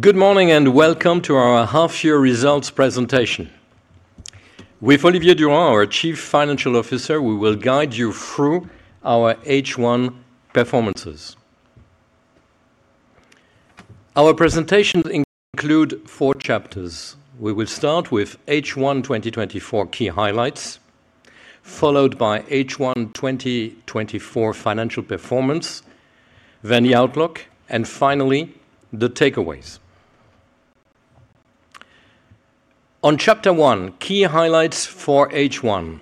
Good morning and welcome to our half-year results presentation. With Olivier Durand, our Chief Financial Officer, we will guide you through our H1 performances. Our presentations include four chapters. We will start with H1 2024 key highlights, followed by H1 2024 financial performance, then the outlook, and finally, the takeaways. On Chapter 1, key highlights for H1,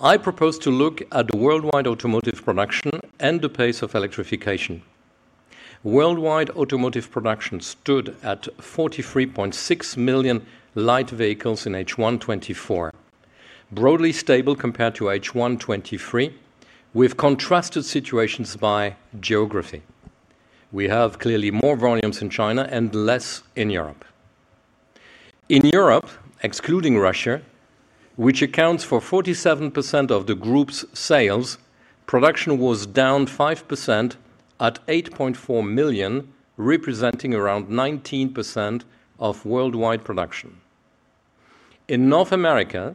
I propose to look at the worldwide automotive production and the pace of electrification. Worldwide automotive production stood at 43.6 million light vehicles in H1 2024, broadly stable compared to H1 2023, with contrasted situations by geography. We have clearly more volumes in China and less in Europe. In Europe, excluding Russia, which accounts for 47% of the group's sales, production was down 5% at 8.4 million, representing around 19% of worldwide production. In North America,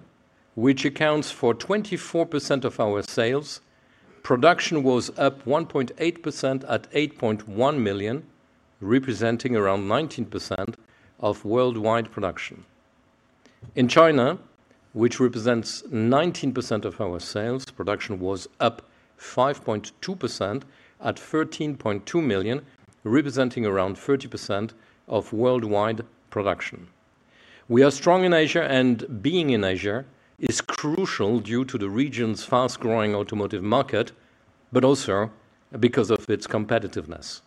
which accounts for 24% of our sales, production was up 1.8% at 8.1 million, representing around 19% of worldwide production. In China, which represents 19% of our sales, production was up 5.2% at 13.2 million, representing around 30% of worldwide production. We are strong in Asia, and being in Asia is crucial due to the region's fast-growing automotive market, but also because of its competitiveness.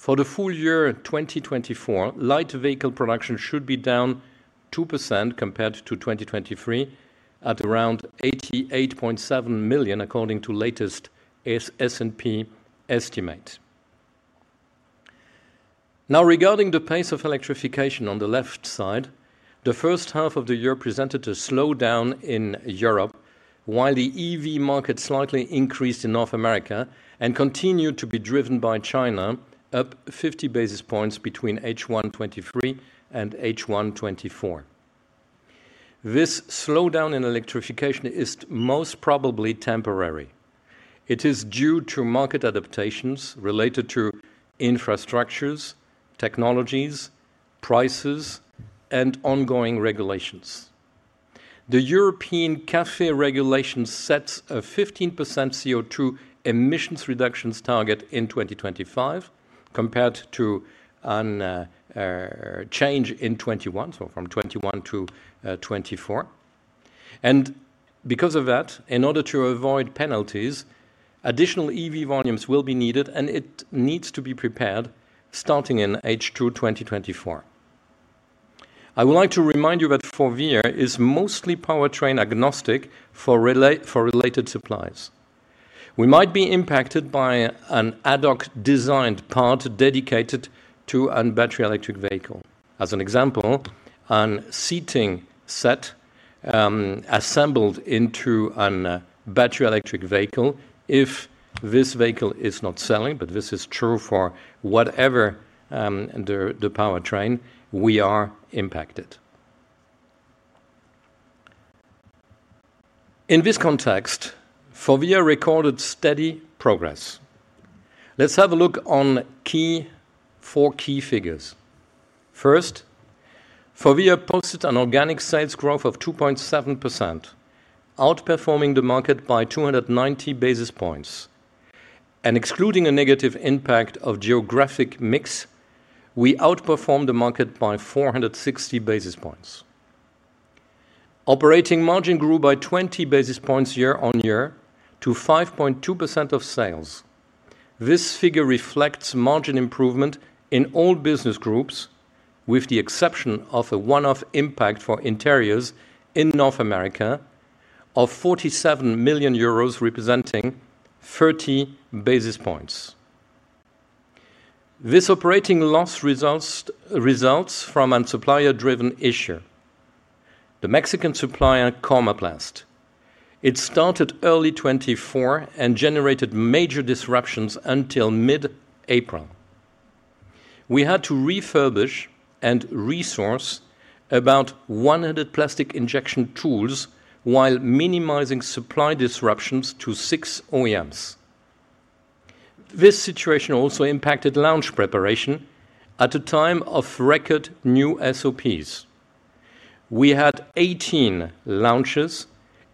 For the full year 2024, light vehicle production should be down 2% compared to 2023, at around 88.7 million, according to the latest S&P estimate. Now, regarding the pace of electrification on the left side, the first half of the year presented a slowdown in Europe, while the EV market slightly increased in North America and continued to be driven by China, up 50 basis points between H1 2023 and H1 2024. This slowdown in electrification is most probably temporary. It is due to market adaptations related to infrastructures, technologies, prices, and ongoing regulations. The European CAFE regulation sets a 15% CO2 emissions reductions target in 2025, compared to a change in 2021, so from 2021 to 2024. Because of that, in order to avoid penalties, additional EV volumes will be needed, and it needs to be prepared starting in H2 2024. I would like to remind you that Forvia is mostly powertrain agnostic for related supplies. We might be impacted by an ad hoc designed part dedicated to a battery electric vehicle. As an example, a seating set assembled into a battery electric vehicle, if this vehicle is not selling, but this is true for whatever the powertrain, we are impacted. In this context, Forvia recorded steady progress. Let's have a look at four key figures. First, Forvia posted an organic sales growth of 2.7%, outperforming the market by 290 basis points. Excluding a negative impact of geographic mix, we outperformed the market by 460 basis points. Operating margin grew by 20 basis points year-on-year to 5.2% of sales. This figure reflects margin improvement in all business groups, with the exception of a one-off impact for Interiors in North America of 47 million euros, representing 30 basis points. This operating loss results from a supplier-driven issue. The Mexican supplier, Comaplast, started early 2024 and generated major disruptions until mid-April. We had to refurbish and resource about 100 plastic injection tools while minimizing supply disruptions to six OEMs. This situation also impacted launch preparation at a time of record new SOPs. We had 18 launches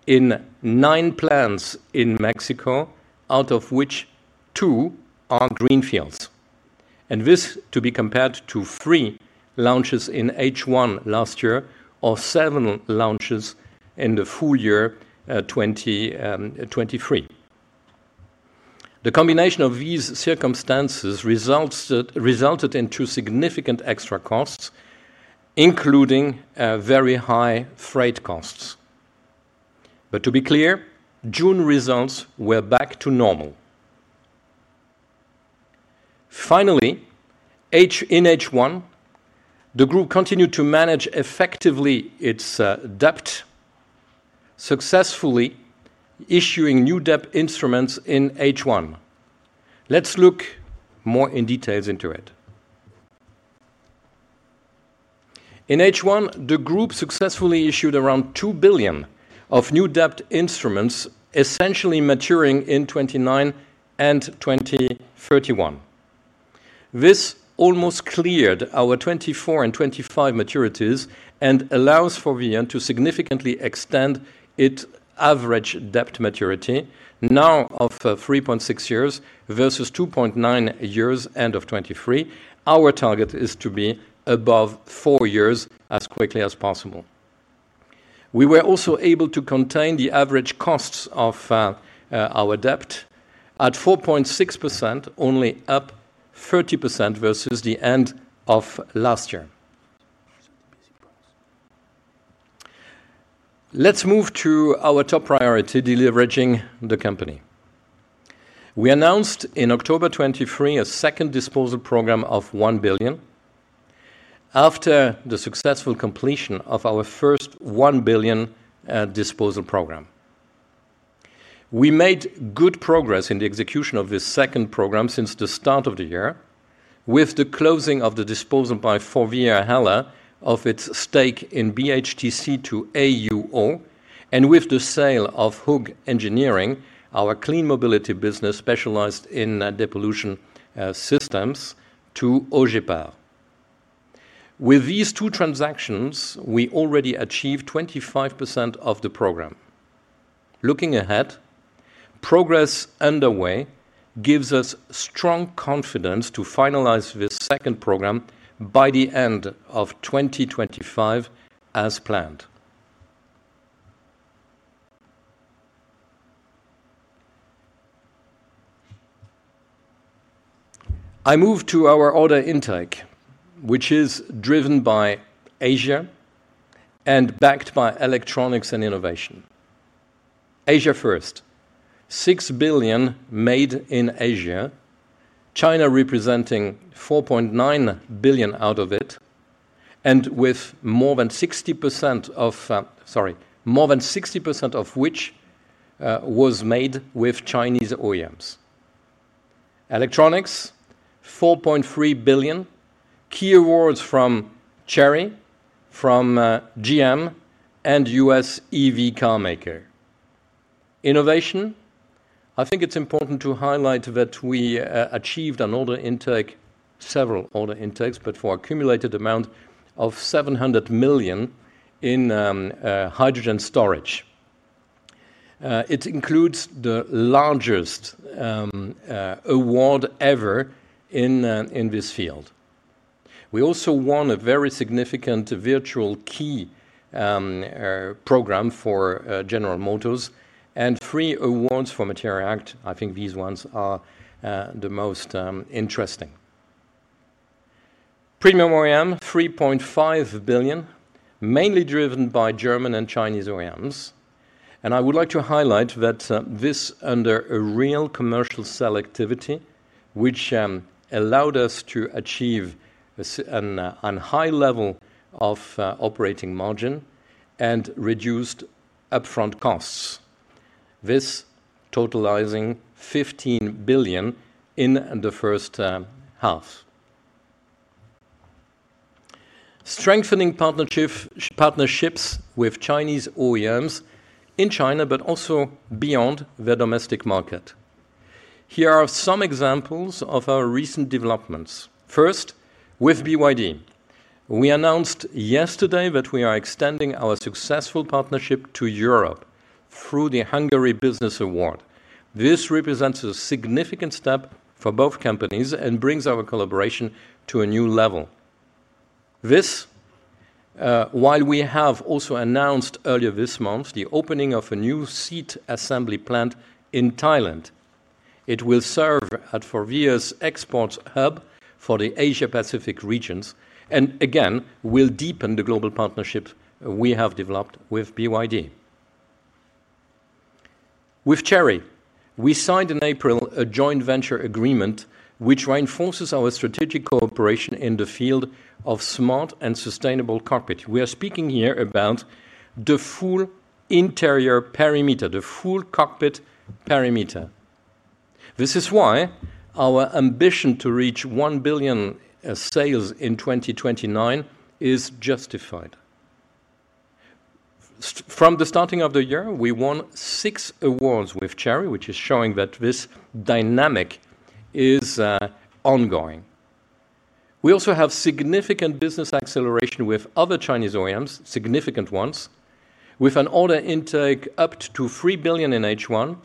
in nine plants in Mexico, out of which two are greenfields. This is to be compared to three launches in H1 last year or seven launches in the full year 2023. The combination of these circumstances resulted in two significant extra costs, including very high freight costs. To be clear, June results were back to normal. Finally, in H1, the group continued to manage effectively its debt, successfully issuing new debt instruments in H1. Let's look more in detail into it. In H1, the group successfully issued around 2 billion of new debt instruments, essentially maturing in 2029 and 2031. This almost cleared our 2024 and 2025 maturities and allows Forvia to significantly extend its average debt maturity, now of 3.6 years versus 2.9 years end of 2023. Our target is to be above four years as quickly as possible. We were also able to contain the average costs of our debt at 4.6%, only up 30% versus the end of last year. Let's move to our top priority, deleveraging the company. We announced in October 2023 a second disposal program of 1 billion after the successful completion of our first 1 billion disposal program. We made good progress in the execution of this second program since the start of the year, with the closing of the disposal by Forvia Hella of its stake in BHTC to AUO, and with the sale of Hug Engineering, our Clean Mobility business specialized in depollution systems, to Ogepar. With these two transactions, we already achieved 25% of the program. Looking ahead, progress underway gives us strong confidence to finalize this second program by the end of 2025 as planned. I move to our order intake, which is driven by Asia and backed by electronics and innovation. Asia first, 6 billion made in Asia, China representing 4.9 billion out of it, and with more than 60% of, sorry, more than 60% of which was made with Chinese OEMs. Electronics, 4.3 billion, key awards from Chery, from GM, and US EV car maker. Innovation, I think it's important to highlight that we achieved an order intake, several order intakes, but for an accumulated amount of 700 million in hydrogen storage. It includes the largest award ever in this field. We also won a very significant virtual key program for General Motors, and three awards for MATERI'ACT. I think these ones are the most interesting. Premium OEM, 3.5 billion, mainly driven by German and Chinese OEMs. I would like to highlight that this under real commercial selectivity, which allowed us to achieve a high level of operating margin and reduced upfront costs, this totaling 15 billion in the first half. Strengthening partnerships with Chinese OEMs in China, but also beyond their domestic market. Here are some examples of our recent developments. First, with BYD, we announced yesterday that we are extending our successful partnership to Europe through the Hungary business award. This represents a significant step for both companies and brings our collaboration to a new level. This, while we have also announced earlier this month the opening of a new seat assembly plant in Thailand, it will serve at Forvia's export hub for the Asia-Pacific regions, and again, will deepen the global partnership we have developed with BYD. With Chery, we signed in April a joint venture agreement, which reinforces our strategic cooperation in the field of smart and sustainable cockpit. We are speaking here about the full interior perimeter, the full cockpit perimeter. This is why our ambition to reach 1 billion sales in 2029 is justified. From the starting of the year, we won six awards with Chery, which is showing that this dynamic is ongoing. We also have significant business acceleration with other Chinese OEMs, significant ones, with an order intake up to 3 billion in H1.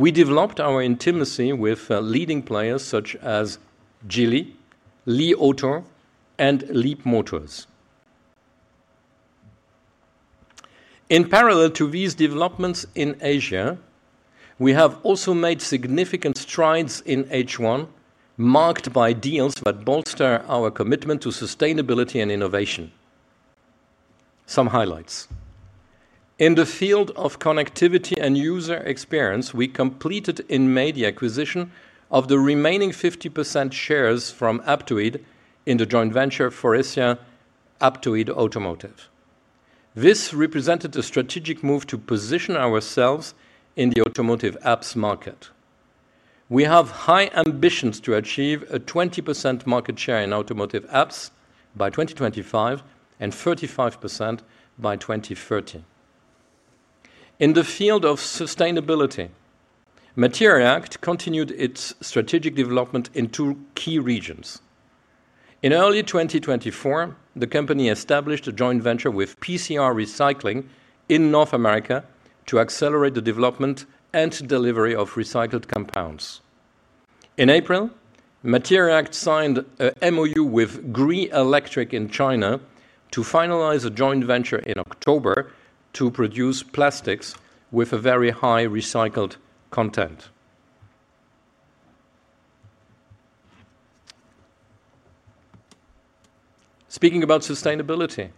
We developed our intimacy with leading players such as Geely, Li Auto, and Leapmotor. In parallel to these developments in Asia, we have also made significant strides in H1, marked by deals that bolster our commitment to sustainability and innovation. Some highlights. In the field of connectivity and user experience, we completed in May the acquisition of the remaining 50% shares from Aptoide in the joint venture Forvia Aptoide Automotive. This represented a strategic move to position ourselves in the Automotive Apps market. We have high ambitions to achieve a 20% market share in Automotive Apps by 2025 and 35% by 2030. In the field of sustainability, MATERI'ACT continued its strategic development in two key regions. In early 2024, the company established a joint venture with PCR Recycling in North America to accelerate the development and delivery of recycled compounds. In April, MATERI'ACT signed an MOU with Gree Electric in China to finalize a joint venture in October to produce plastics with a very high recycled content. Speaking about sustainability,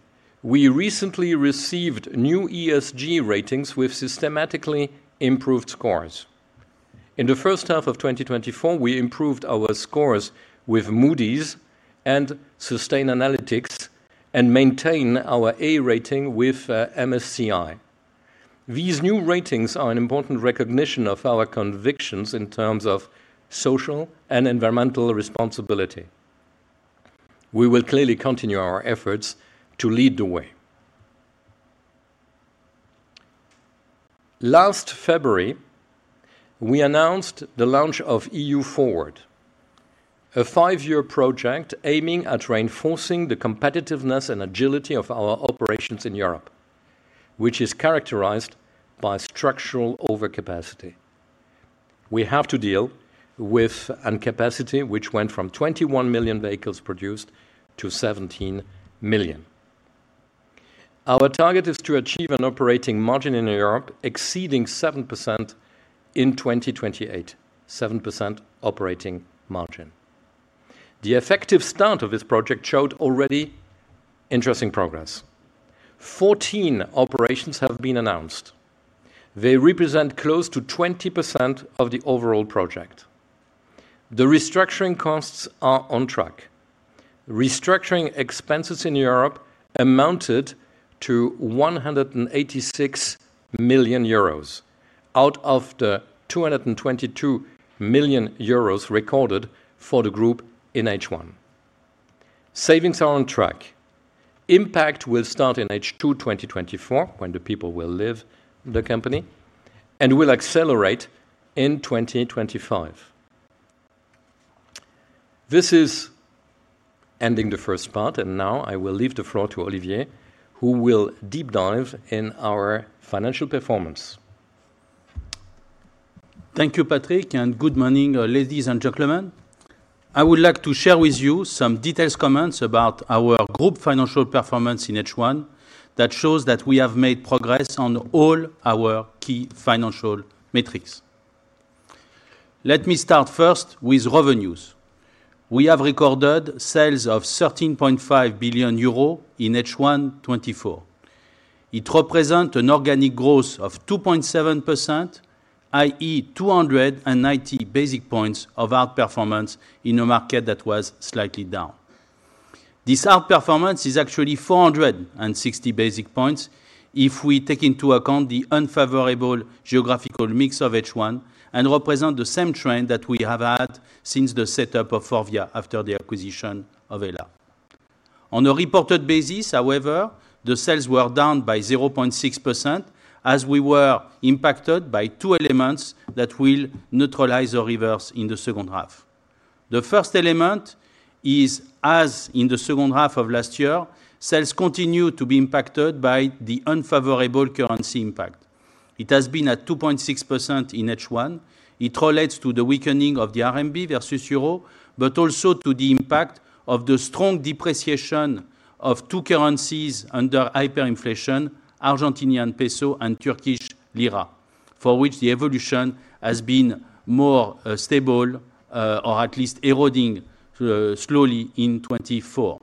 we recently received new ESG ratings with systematically improved scores. In the first half of 2024, we improved our scores with Moody's and Sustainalytics and maintained our A rating with MSCI. These new ratings are an important recognition of our convictions in terms of social and environmental responsibility. We will clearly continue our efforts to lead the way. Last February, we announced the launch of EU-FORWARD, a five-year project aiming at reinforcing the competitiveness and agility of our operations in Europe, which is characterized by structural overcapacity. We have to deal with a capacity which went from 21 million vehicles produced to 17 million. Our target is to achieve an operating margin in Europe exceeding 7% in 2028, 7% operating margin. The effective start of this project showed already interesting progress, 14 operations have been announced. They represent close to 20% of the overall project. The restructuring costs are on track. Restructuring expenses in Europe amounted to 186 million euros out of the 222 million euros recorded for the group in H1. Savings are on track. Impact will start in H2 2024, when the people will leave the company, and will accelerate in 2025. This is ending the first part, and now I will leave the floor to Olivier, who will deep dive in our financial performance. Thank you, Patrick, and good morning, ladies and gentlemen. I would like to share with you some detailed comments about our group financial performance in H1 that shows that we have made progress on all our key financial metrics. Let me start first with revenues. We have recorded sales of 13.5 billion euro in H1 2024. It represents an organic growth of 2.7%, i.e., 290 basis points of our performance in a market that was slightly down. This outperformance is actually 460 basis points if we take into account the unfavorable geographical mix of H1 and represents the same trend that we have had since the setup of Forvia after the acquisition of Hella. On a reported basis, however, the sales were down by 0.6%, as we were impacted by two elements that will neutralize or reverse in the second half. The first element is, as in the second half of last year, sales continue to be impacted by the unfavorable currency impact. It has been at 2.6% in H1. It relates to the weakening of the RMB versus euro, but also to the impact of the strong depreciation of two currencies under hyperinflation, Argentinian peso and Turkish lira, for which the evolution has been more stable, or at least eroding slowly in 2024.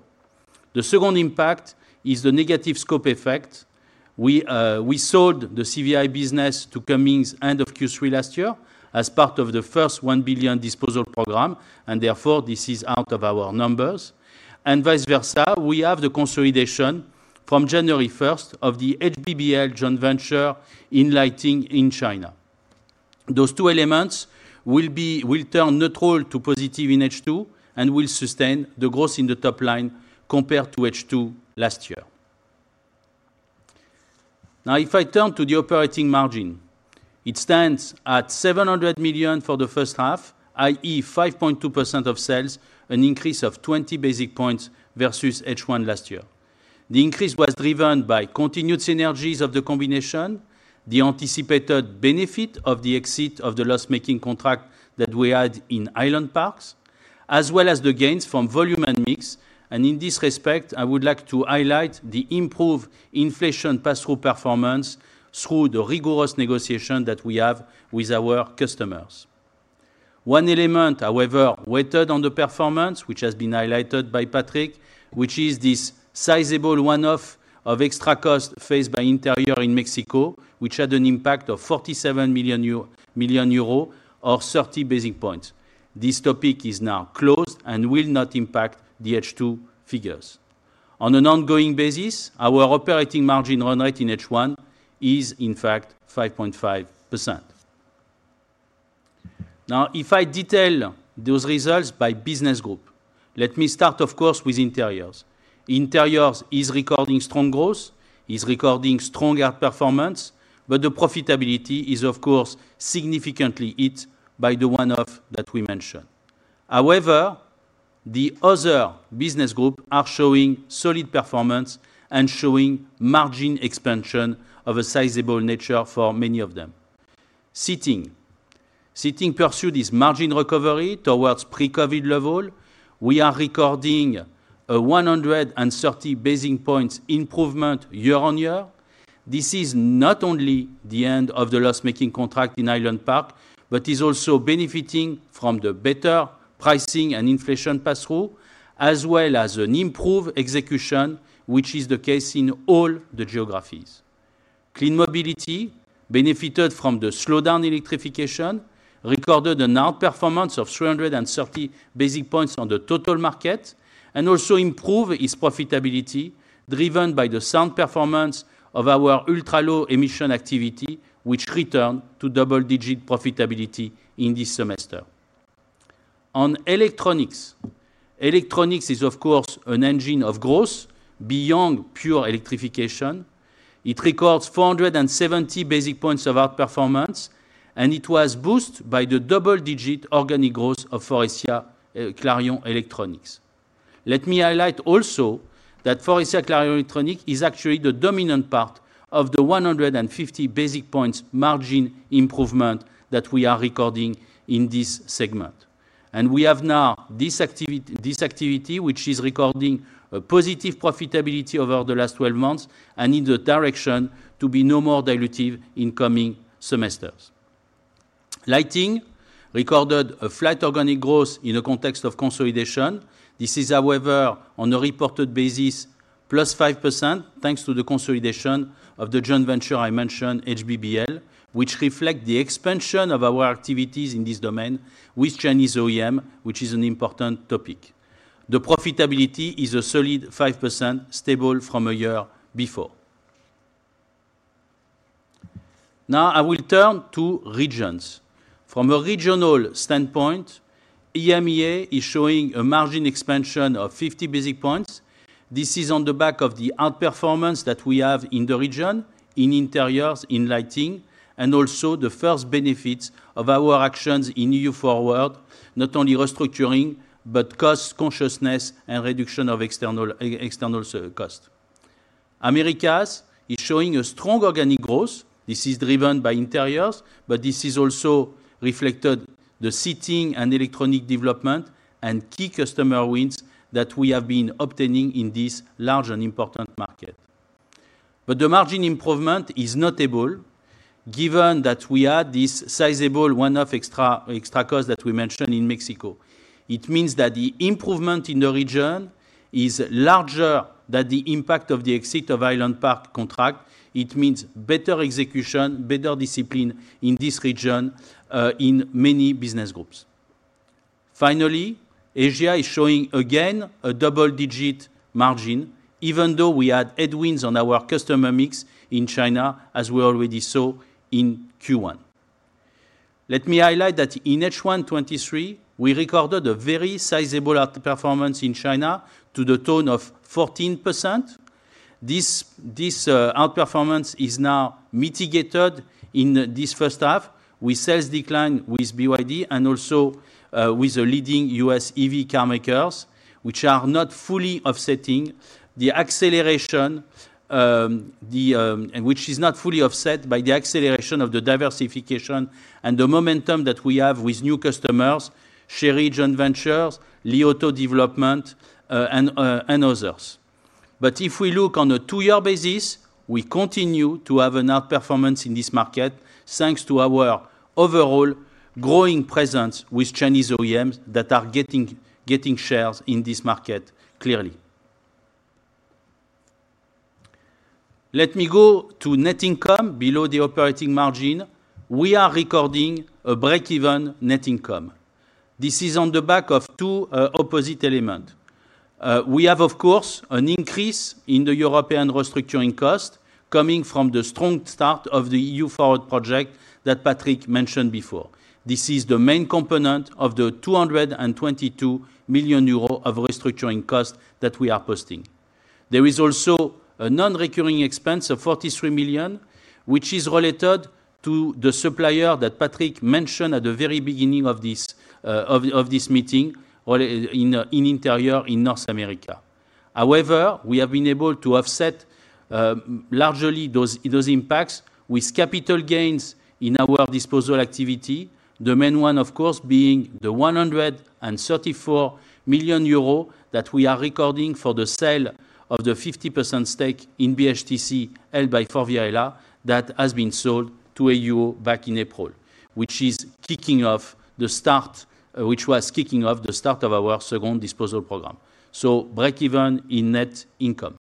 The second impact is the negative scope effect. We sold the CV business to Cummins end of Q3 last year as part of the first 1 billion disposal program, and therefore this is out of our numbers. And vice versa, we have the consolidation from January 1st of the HBBL joint venture in lighting in China. Those two elements will turn neutral to positive in H2 and will sustain the growth in the top line compared to H2 last year. Now, if I turn to the operating margin, it stands at 700 million for the first half, i.e., 5.2% of sales, an increase of 20 basis points versus H1 last year. The increase was driven by continued synergies of the combination, the anticipated benefit of the exit of the loss-making contract that we had in Highland Park, as well as the gains from volume and mix. In this respect, I would like to highlight the improved inflation pass-through performance through the rigorous negotiation that we have with our customers. One element, however, weighed on the performance, which has been highlighted by Patrick, which is this sizable one-off of extra cost faced by Interiors in Mexico, which had an impact of 47 million euro or 30 basis points. This topic is now closed and will not impact the H2 figures. On an ongoing basis, our operating margin run rate in H1 is, in fact, 5.5%. Now, if I detail those results by business group, let me start, of course, with Interiors. Interiors is recording strong growth, is recording strong outperformance, but the profitability is, of course, significantly hit by the one-off that we mentioned. However, the other business groups are showing solid performance and showing margin expansion of a sizable nature for many of them. Seating. Seating pursued is margin recovery towards pre-COVID level. We are recording a 130 basis points improvement year-on-year. This is not only the end of the loss-making contract in Highland Park, but is also benefiting from the better pricing and inflation pass-through, as well as an improved execution, which is the case in all the geographies. Clean Mobility, benefited from the slowdown in electrification, recorded an outperformance of 330 basis points on the total market, and also improved its profitability driven by the sound performance of our ultra-low emission activity, which returned to double-digit profitability in this semester. On Electronics. Electronics is, of course, an engine of growth beyond pure electrification. It records 470 basis points of outperformance, and it was boosted by the double-digit organic growth of Forvia Clarion Electronics. Let me highlight also that Forvia Clarion Electronics is actually the dominant part of the 150 basis points margin improvement that we are recording in this segment. We have now this activity, which is recording a positive profitability over the last 12 months and in the direction to be no more dilutive in coming semesters. Lighting recorded a flat organic growth in the context of consolidation. This is, however, on a reported basis, plus 5% thanks to the consolidation of the joint venture I mentioned, HBBL, which reflects the expansion of our activities in this domain with Chinese OEM, which is an important topic. The profitability is a solid 5%, stable from a year before. Now, I will turn to regions, from a regional standpoint, EMEA is showing a margin expansion of 50 basis points. This is on the back of the outperformance that we have in the region, in Interiors, in lighting, and also the first benefits of our actions in EU-FORWARD, not only restructuring, but cost consciousness and reduction of external costs. Americas is showing a strong organic growth. This is driven by Interiors, but this is also reflected in the Seating and Electronics development and key customer wins that we have been obtaining in this large and important market. But the margin improvement is notable given that we had this sizable one-off extra cost that we mentioned in Mexico. It means that the improvement in the region is larger than the impact of the exit of Highland Park contract. It means better execution, better discipline in this region in many business groups. Finally, Asia is showing again a double-digit margin, even though we had headwinds on our customer mix in China, as we already saw in Q1. Let me highlight that in H1 2023, we recorded a very sizable outperformance in China to the tone of 14%. This outperformance is now mitigated in this first half with sales decline with BYD and also with the leading U.S., EV carmakers, which are not fully offsetting the acceleration, which is not fully offset by the acceleration of the diversification and the momentum that we have with new customers, Chery Joint Ventures, Li Auto Development, and others. But if we look on a two-year basis, we continue to have an outperformance in this market thanks to our overall growing presence with Chinese OEMs that are getting shares in this market clearly. Let me go to net income below the operating margin. We are recording a break-even net income. This is on the back of two opposite elements. We have, of course, an increase in the European restructuring cost coming from the strong start of the EU-FORWARD project that Patrick mentioned before. This is the main component of the 222 million euro of restructuring cost that we are posting. There is also a non-recurring expense of 43 million, which is related to the supplier that Patrick mentioned at the very beginning of this meeting in Interiors in North America. However, we have been able to offset largely those impacts with capital gains in our disposal activity, the main one, of course, being the 134 million euro that we are recording for the sale of the 50% stake in BHTC held by Forvia Hella that has been sold to AUO back in April, which is kicking off the start, which was kicking off the start of our second disposal program. So, break-even in net income.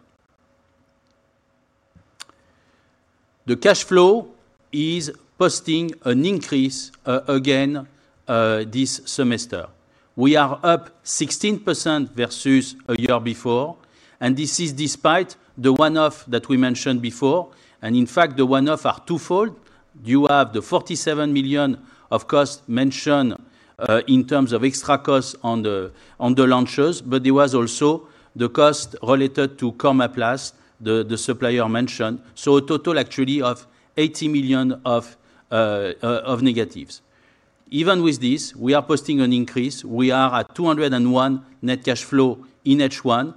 The cash flow is posting an increase again this semester. We are up 16% versus a year before, and this is despite the one-off that we mentioned before. And in fact, the one-offs are twofold. You have the 47 million of cost mentioned in terms of extra costs on the launches, but there was also the cost related to Comaplast, the supplier mentioned. So, a total actually of 80 million of negatives. Even with this, we are posting an increase. We are at 201 net cash flow in H1.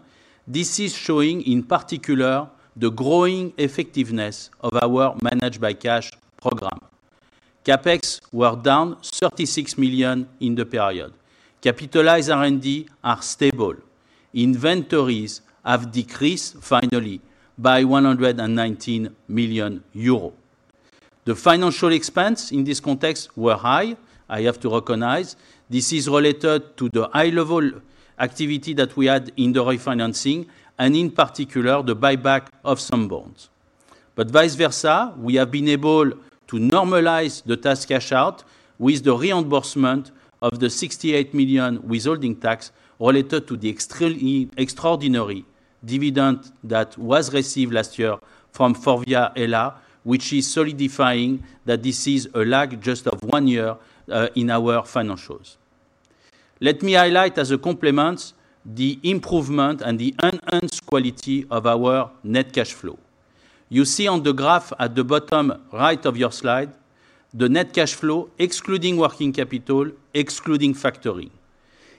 This is showing in particular the growing effectiveness of our Managed by Cash program. CapEx were down 36 million in the period. Capitalized R&D are stable. Inventories have decreased finally by 119 million euros. The financial expense in this context were high, I have to recognize. This is related to the high-level activity that we had in the refinancing, and in particular the buyback of some bonds. But vice versa, we have been able to normalize the tax cash out with the reimbursement of the 68 million withholding tax related to the extraordinary dividend that was received last year from Forvia Hella, which is solidifying that this is a lag just of one year in our financials. Let me highlight as a complement the improvement and the enhanced quality of our net cash flow. You see on the graph at the bottom right of your slide, the net cash flow, excluding working capital, excluding factoring.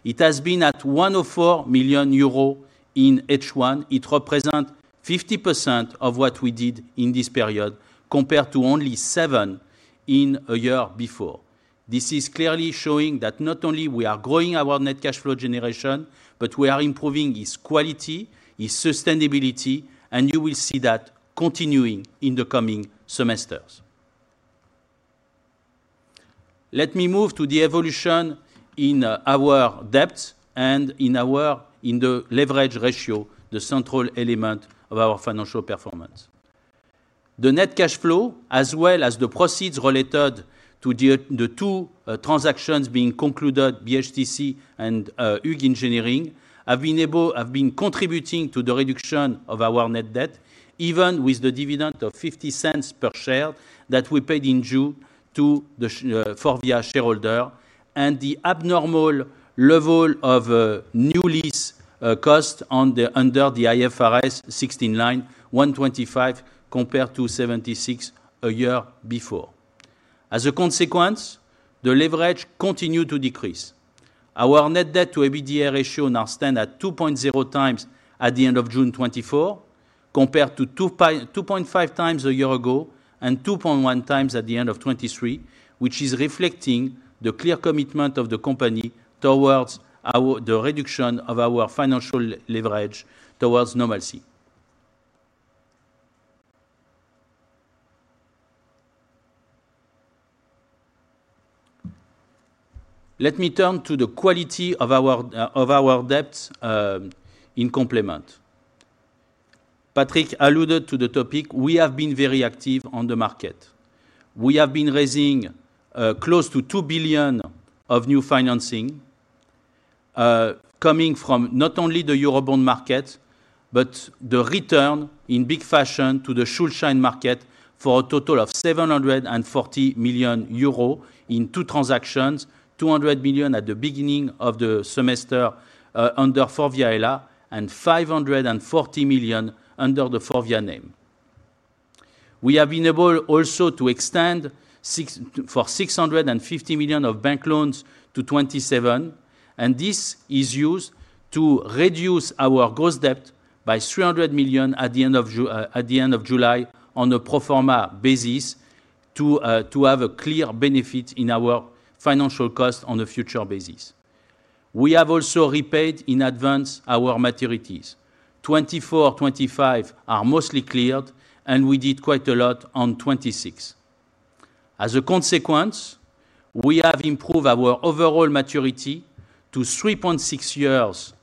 It has been at 104 million euros in H1. It represents 50% of what we did in this period compared to only 7 million in a year before. This is clearly showing that not only we are growing our net cash flow generation, but we are improving its quality, its sustainability, and you will see that continuing in the coming semesters. Let me move to the evolution in our debt and in the leverage ratio, the central element of our financial performance. The net cash flow, as well as the proceeds related to the two transactions being concluded, BHTC and Hug Engineering, have been contributing to the reduction of our net debt, even with the dividend of 0.50 per share that we paid in June to the Forvia shareholder, and the abnormal level of new lease cost under the IFRS 16 9,125 compared to 76 a year before. As a consequence, the leverage continued to decrease. Our net debt to EBITDA ratio now stands at 2.0x at the end of June 2024, compared to 2.5x a year ago and 2.1x at the end of 2023, which is reflecting the clear commitment of the company towards the reduction of our financial leverage towards normalcy. Let me turn to the quality of our debt in complement. Patrick alluded to the topic. We have been very active on the market. We have been raising close to 2 billion of new financing coming from not only the Eurobond market, but the return in big fashion to the Schuldschein market for a total of 740 million euro in two transactions, 200 million at the beginning of the semester under Forvia HELLA and 540 million under the Forvia name. We have been able also to extend for 650 million of bank loans to 2027, and this is used to reduce our gross debt by 300 million at the end of July on a pro forma basis to have a clear benefit in our financial cost on a future basis. We have also repaid in advance our maturities. 2024, 2025 are mostly cleared, and we did quite a lot on 2026. As a consequence, we have improved our overall maturity to 3.6 years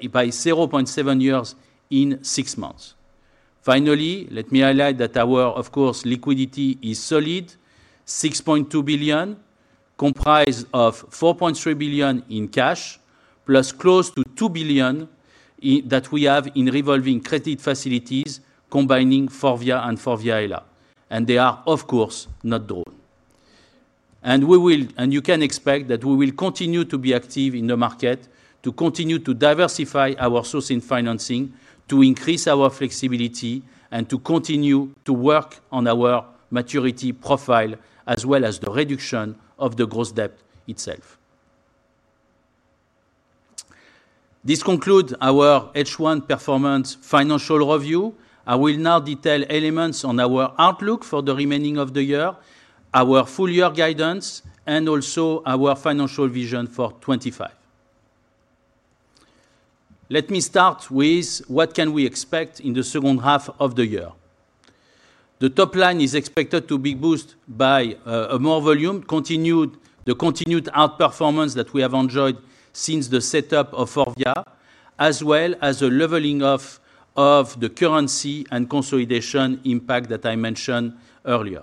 by 0.7 years in six months. Finally, let me highlight that our, of course, liquidity is solid, 6.2 billion, comprised of 4.3 billion in cash, plus close to 2 billion that we have in revolving credit facilities combining Forvia and Forvia HELLA. And they are, of course, not drawn. And you can expect that we will continue to be active in the market to continue to diversify our sourcing financing, to increase our flexibility, and to continue to work on our maturity profile as well as the reduction of the gross debt itself. This concludes our H1 performance financial review. I will now detail elements on our outlook for the remaining of the year, our full-year guidance, and also our financial vision for 2025. Let me start with what can we expect in the second half of the year. The top line is expected to be boosted by more volume, the continued outperformance that we have enjoyed since the setup of Forvia, as well as a leveling off of the currency and consolidation impact that I mentioned earlier.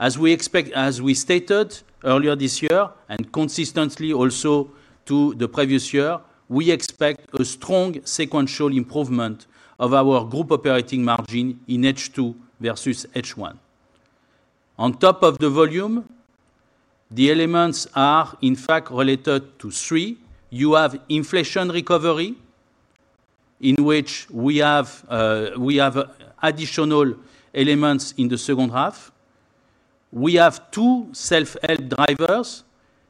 As we stated earlier this year and consistently also to the previous year, we expect a strong sequential improvement of our group operating margin in H2 versus H1. On top of the volume, the elements are in fact related to three. You have inflation recovery, in which we have additional elements in the second half. We have two self-help drivers,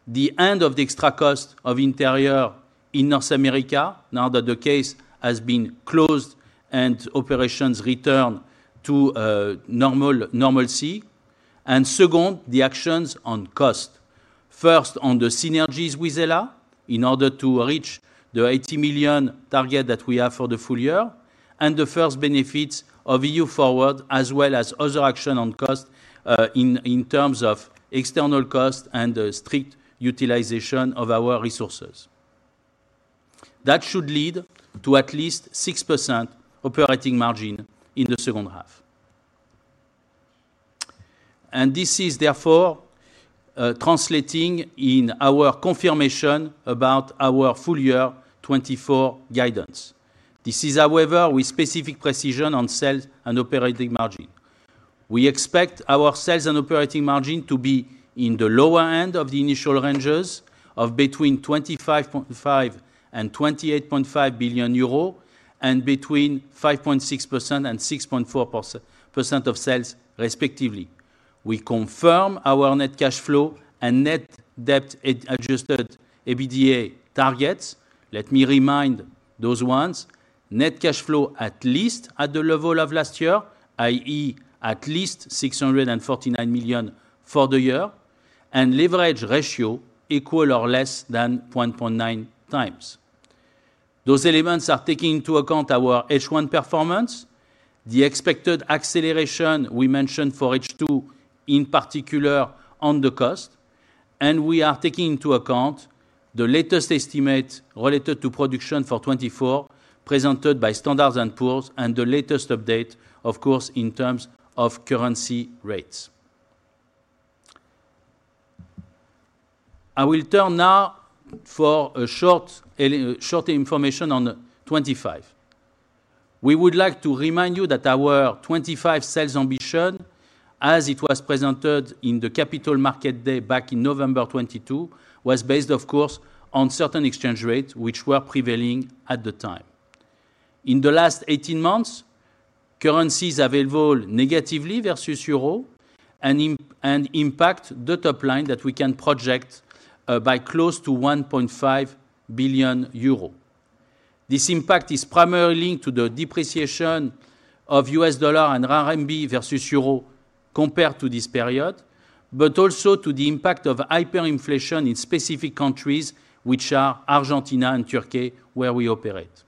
the end of the extra cost of Interior in North America now that the case has been closed and operations returned to normalcy, and second, the actions on cost. First, on the synergies with Hella in order to reach the 80 million target that we have for the full year, and the first benefits of EU-FORWARD as well as other action on cost in terms of external cost and the strict utilization of our resources. That should lead to at least 6% operating margin in the second half. This is therefore translating in our confirmation about our full-year 2024 guidance. This is, however, with specific precision on sales and operating margin. We expect our sales and operating margin to be in the lower end of the initial ranges of between 25.5 billion and 28.5 billion euro and between 5.6% and 6.4% of sales, respectively. We confirm our net cash flow and net debt adjusted EBITDA targets. Let me remind those ones. Net cash flow at least at the level of last year, i.e., at least 649 million for the year, and leverage ratio equal or less than 1.9x. Those elements are taking into account our H1 performance, the expected acceleration we mentioned for H2, in particular on the cost, and we are taking into account the latest estimate related to production for 2024 presented by Standard & Poor's and the latest update, of course, in terms of currency rates. I will turn now for a short information on 2025. We would like to remind you that our 2025 sales ambition, as it was presented in the Capital Market Day back in November 2022, was based, of course, on certain exchange rates which were prevailing at the time. In the last 18 months, currencies have evolved negatively versus euro and impact the top line that we can project by close to 1.5 billion euro. This impact is primarily linked to the depreciation of U.S. dollar and RMB versus euro compared to this period, but also to the impact of hyperinflation in specific countries, which are Argentina and Turkey, where we operate.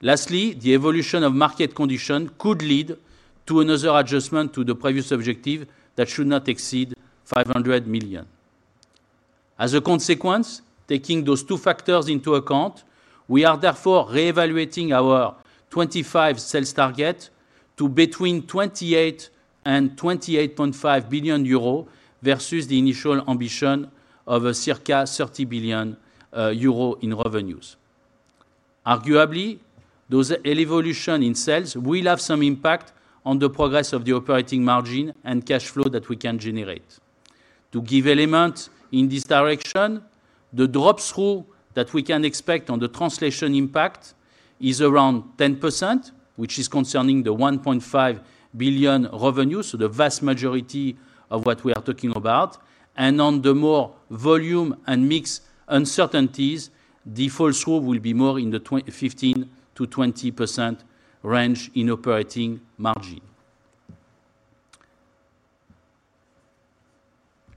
Lastly, the evolution of market condition could lead to another adjustment to the previous objective that should not exceed 500 million. As a consequence, taking those two factors into account, we are therefore reevaluating our 2025 sales target to between 28 billion and 28.5 billion euro versus the initial ambition of circa 30 billion euro in revenues. Arguably, those evolution in sales will have some impact on the progress of the operating margin and cash flow that we can generate. To give elements in this direction, the drop-through that we can expect on the translation impact is around 10%, which is concerning the 1.5 billion revenue, so the vast majority of what we are talking about, and on the more volume and mixed uncertainties, the fall-through will be more in the 15%-20% range in operating margin.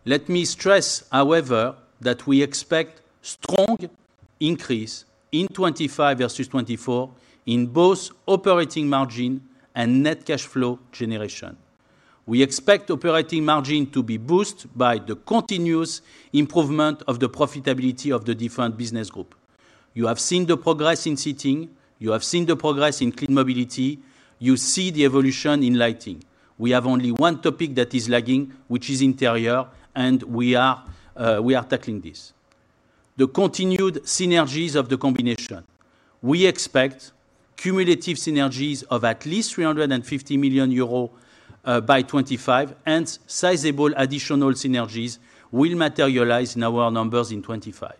Let me stress, however, that we expect strong increase in 2025 versus 2024 in both operating margin and net cash flow generation. We expect operating margin to be boosted by the continuous improvement of the profitability of the different business groups. You have seen the progress in Seating. You have seen the progress in Clean Mobility. You see the evolution in Lighting. We have only one topic that is lagging, which is Interiors, and we are tackling this. The continued synergies of the combination. We expect cumulative synergies of at least 350 million euros by 2025, and sizable additional synergies will materialize in our numbers in 2025.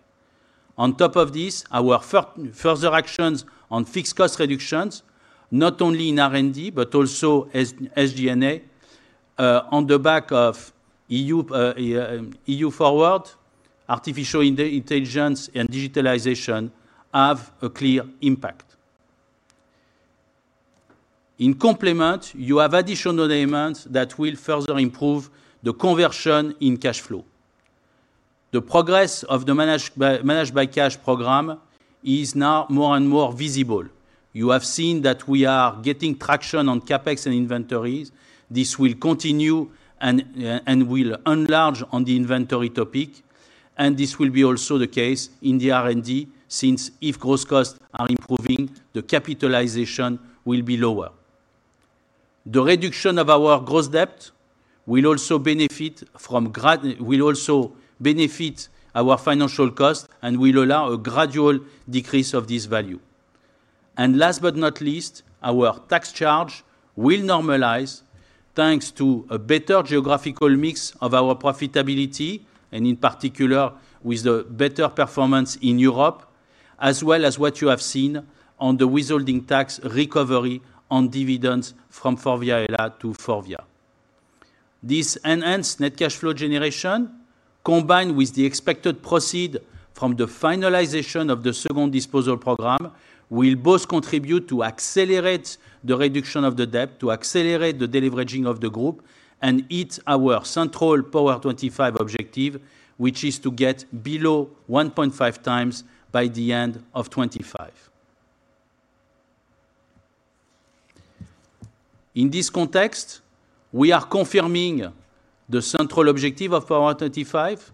On top of this, our further actions on fixed cost reductions, not only in R&D, but also SG&A, on the back of EU-FORWARD, artificial intelligence, and digitalization have a clear impact. In complement, you have additional elements that will further improve the conversion in cash flow. The progress of the managed by cash program is now more and more visible. You have seen that we are getting traction on CapEx and inventories. This will continue and will enlarge on the inventory topic, and this will be also the case in the R&D since if gross costs are improving, the capitalization will be lower. The reduction of our gross debt will also benefit our financial costs and will allow a gradual decrease of this value. Last but not least, our tax charge will normalize thanks to a better geographical mix of our profitability and in particular with the better performance in Europe, as well as what you have seen on the withholding tax recovery on dividends from Forvia HELLA to Forvia. This enhanced net cash flow generation, combined with the expected proceeds from the finalization of the second disposal program, will both contribute to accelerate the reduction of the debt, to accelerate the deleveraging of the group, and hit our central Power 25 objective, which is to get below 1.5x by the end of 2025. In this context, we are confirming the central objective of Power 25,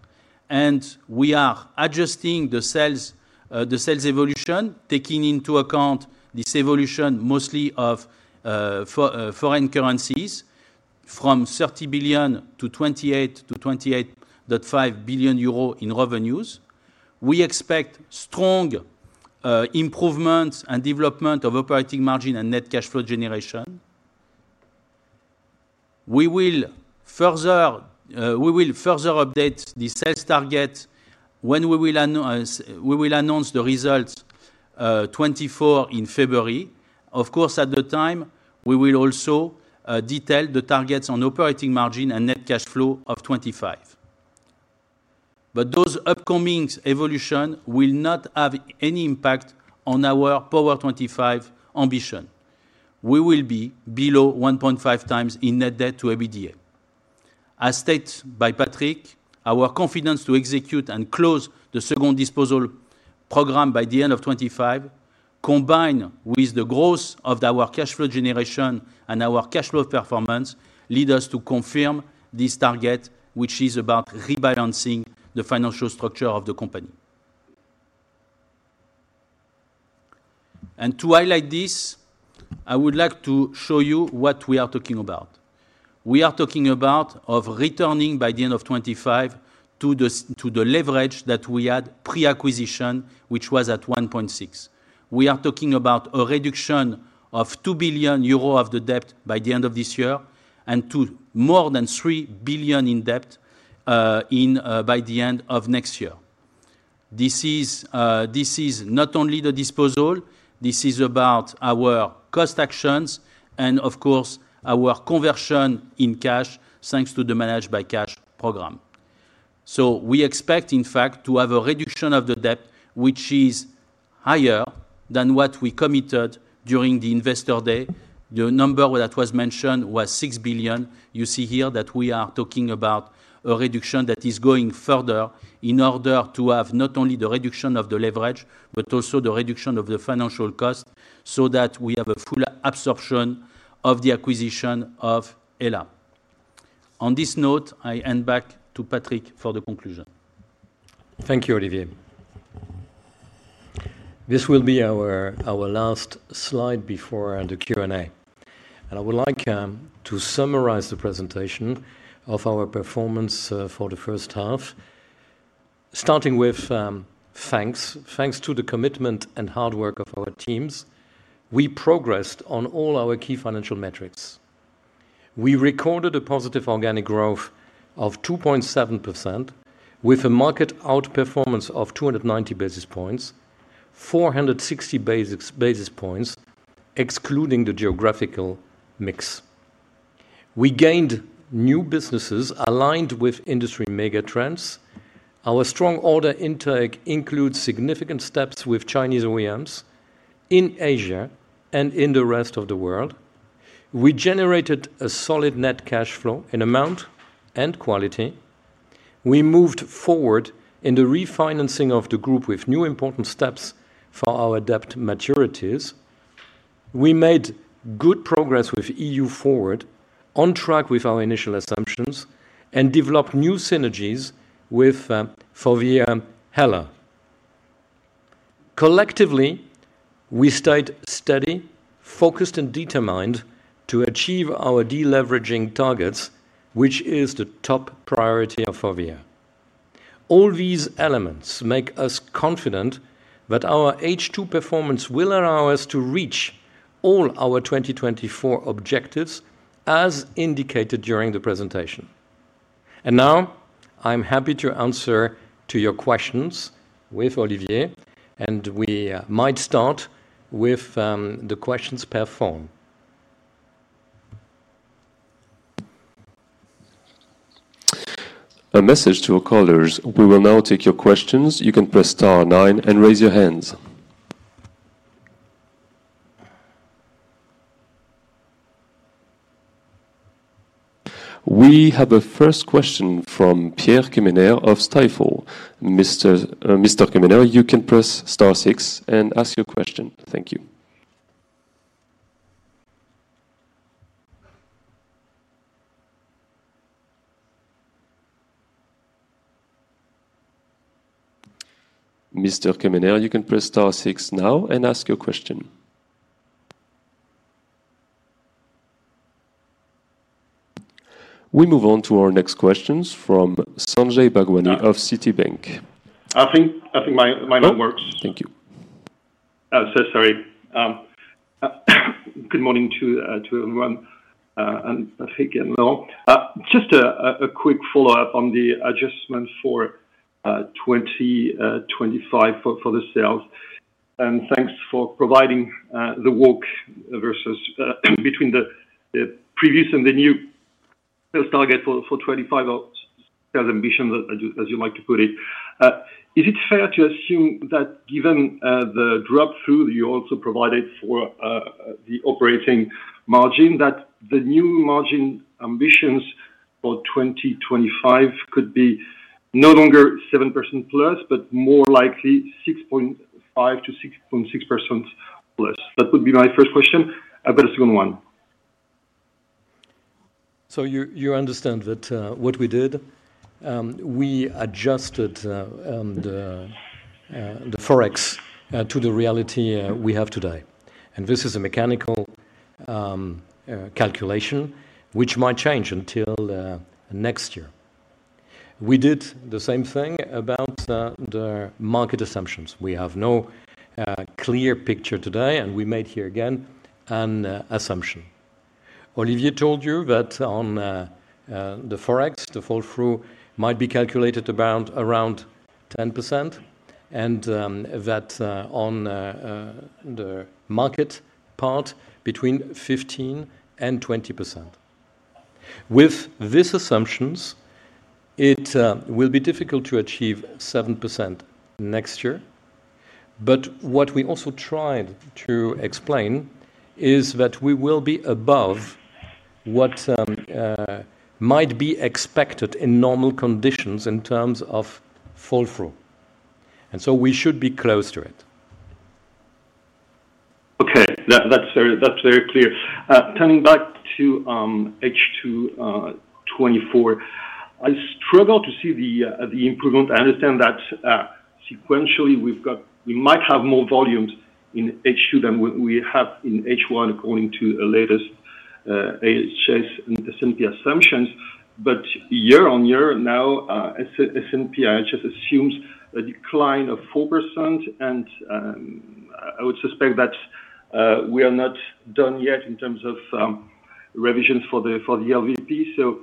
and we are adjusting the sales evolution, taking into account this evolution mostly of foreign currencies from 30 billion to 28.5 billion euro in revenues. We expect strong improvements and development of operating margin and net cash flow generation. We will further update the sales target when we will announce the results 2024 in February. Of course, at the time, we will also detail the targets on operating margin and net cash flow of 2025. But those upcoming evolutions will not have any impact on our Power 25 ambition. We will be below 1.5x in net debt to EBITDA. As stated by Patrick, our confidence to execute and close the second disposal program by the end of 2025, combined with the growth of our cash flow generation and our cash flow performance, leads us to confirm this target, which is about rebalancing the financial structure of the company. To highlight this, I would like to show you what we are talking about. We are talking about returning by the end of 2025 to the leverage that we had pre-acquisition, which was at 1.6. We are talking about a reduction of 2 billion euro of the debt by the end of this year and to more than 3 billion in debt by the end of next year. This is not only the disposal. This is about our cost actions and, of course, our conversion in cash thanks to the managed by cash program. So we expect, in fact, to have a reduction of the debt, which is higher than what we committed during the investor day. The number that was mentioned was 6 billion. You see here that we are talking about a reduction that is going further in order to have not only the reduction of the leverage, but also the reduction of the financial cost so that we have a full absorption of the acquisition of Hella. On this note, I hand back to Patrick for the conclusion. Thank you, Olivier. This will be our last slide before the Q&A. And I would like to summarize the presentation of our performance for the first half, starting with thanks. Thanks to the commitment and hard work of our teams, we progressed on all our key financial metrics. We recorded a positive organic growth of 2.7% with a market outperformance of 290 basis points, 460 basis points excluding the geographical mix. We gained new businesses aligned with industry mega trends. Our strong order intake includes significant steps with Chinese OEMs in Asia and in the rest of the world. We generated a solid net cash flow in amount and quality. We moved forward in the refinancing of the group with new important steps for our debt maturities. We made good progress with EU-FORWARD, on track with our initial assumptions, and developed new synergies with Forvia HELLA. Collectively, we stayed steady, focused, and determined to achieve our deleveraging targets, which is the top priority of Forvia. All these elements make us confident that our H2 performance will allow us to reach all our 2024 objectives, as indicated during the presentation. Now, I'm happy to answer your questions with Olivier, and we might start with the questions in the forum. A message to our callers. We will now take your questions. You can press star nine and raise your hands. We have a first question from Pierre-Yves Quemener of Stifel. Mr. Quemener, you can press star six and ask your question. Thank you. Mr. Quemener, you can press star six now and ask your question. We move on to our next questions from Sanjay Bhagwani of Citibank. I think my note works. Thank you. Sorry. Good morning to everyone. Just a quick follow-up on the adjustment for 2025 for the sales. And thanks for providing the variance between the previous and the new sales target for 2025 or sales ambition, as you like to put it. Is it fair to assume that given the drop-through that you also provided for the operating margin, that the new margin ambitions for 2025 could be no longer 7% plus, but more likely 6.5%-6.6% plus? That would be my first question. I've got a second one. So you understand that what we did, we adjusted the forex to the reality we have today. And this is a mechanical calculation, which might change until next year. We did the same thing about the market assumptions. We have no clear picture today, and we made here again an assumption. Olivier told you that on the forex, the fall-through might be calculated around 10%, and that on the market part, between 15%-20%. With these assumptions, it will be difficult to achieve 7% next year. But what we also tried to explain is that we will be above what might be expected in normal conditions in terms of pass-through. And so we should be close to it. Okay. That's very clear. Turning back to H2 2024, I struggle to see the improvement. I understand that sequentially, we might have more volumes in H2 than we have in H1 according to the latest IHS and S&P assumptions. But year on year now, S&P and IHS assumes a decline of 4%, and I would suspect that we are not done yet in terms of revisions for the LVP. So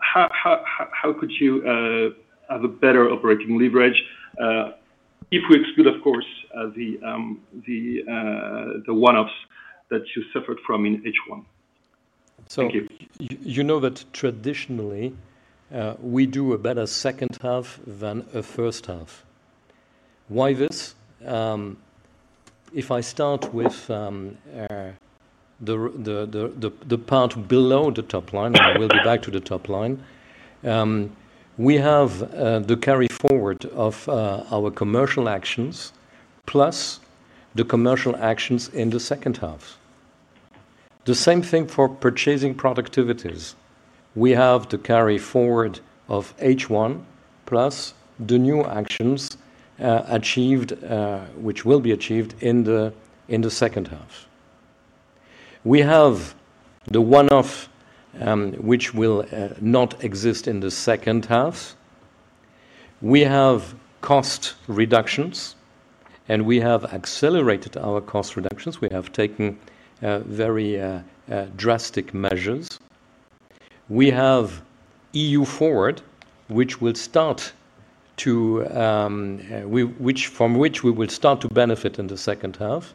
how could you have a better operating leverage if we exclude, of course, the one-offs that you suffered from in H1? Thank you. You know that traditionally, we do a better second half than a first half. Why this? If I start with the part below the top line, I will be back to the top line. We have the carry forward of our commercial actions plus the commercial actions in the second half. The same thing for purchasing productivities. We have the carry forward of H1 plus the new actions achieved, which will be achieved in the second half. We have the one-off, which will not exist in the second half. We have cost reductions, and we have accelerated our cost reductions. We have taken very drastic measures. We have EU-FORWARD, which will start to from which we will start to benefit in the second half.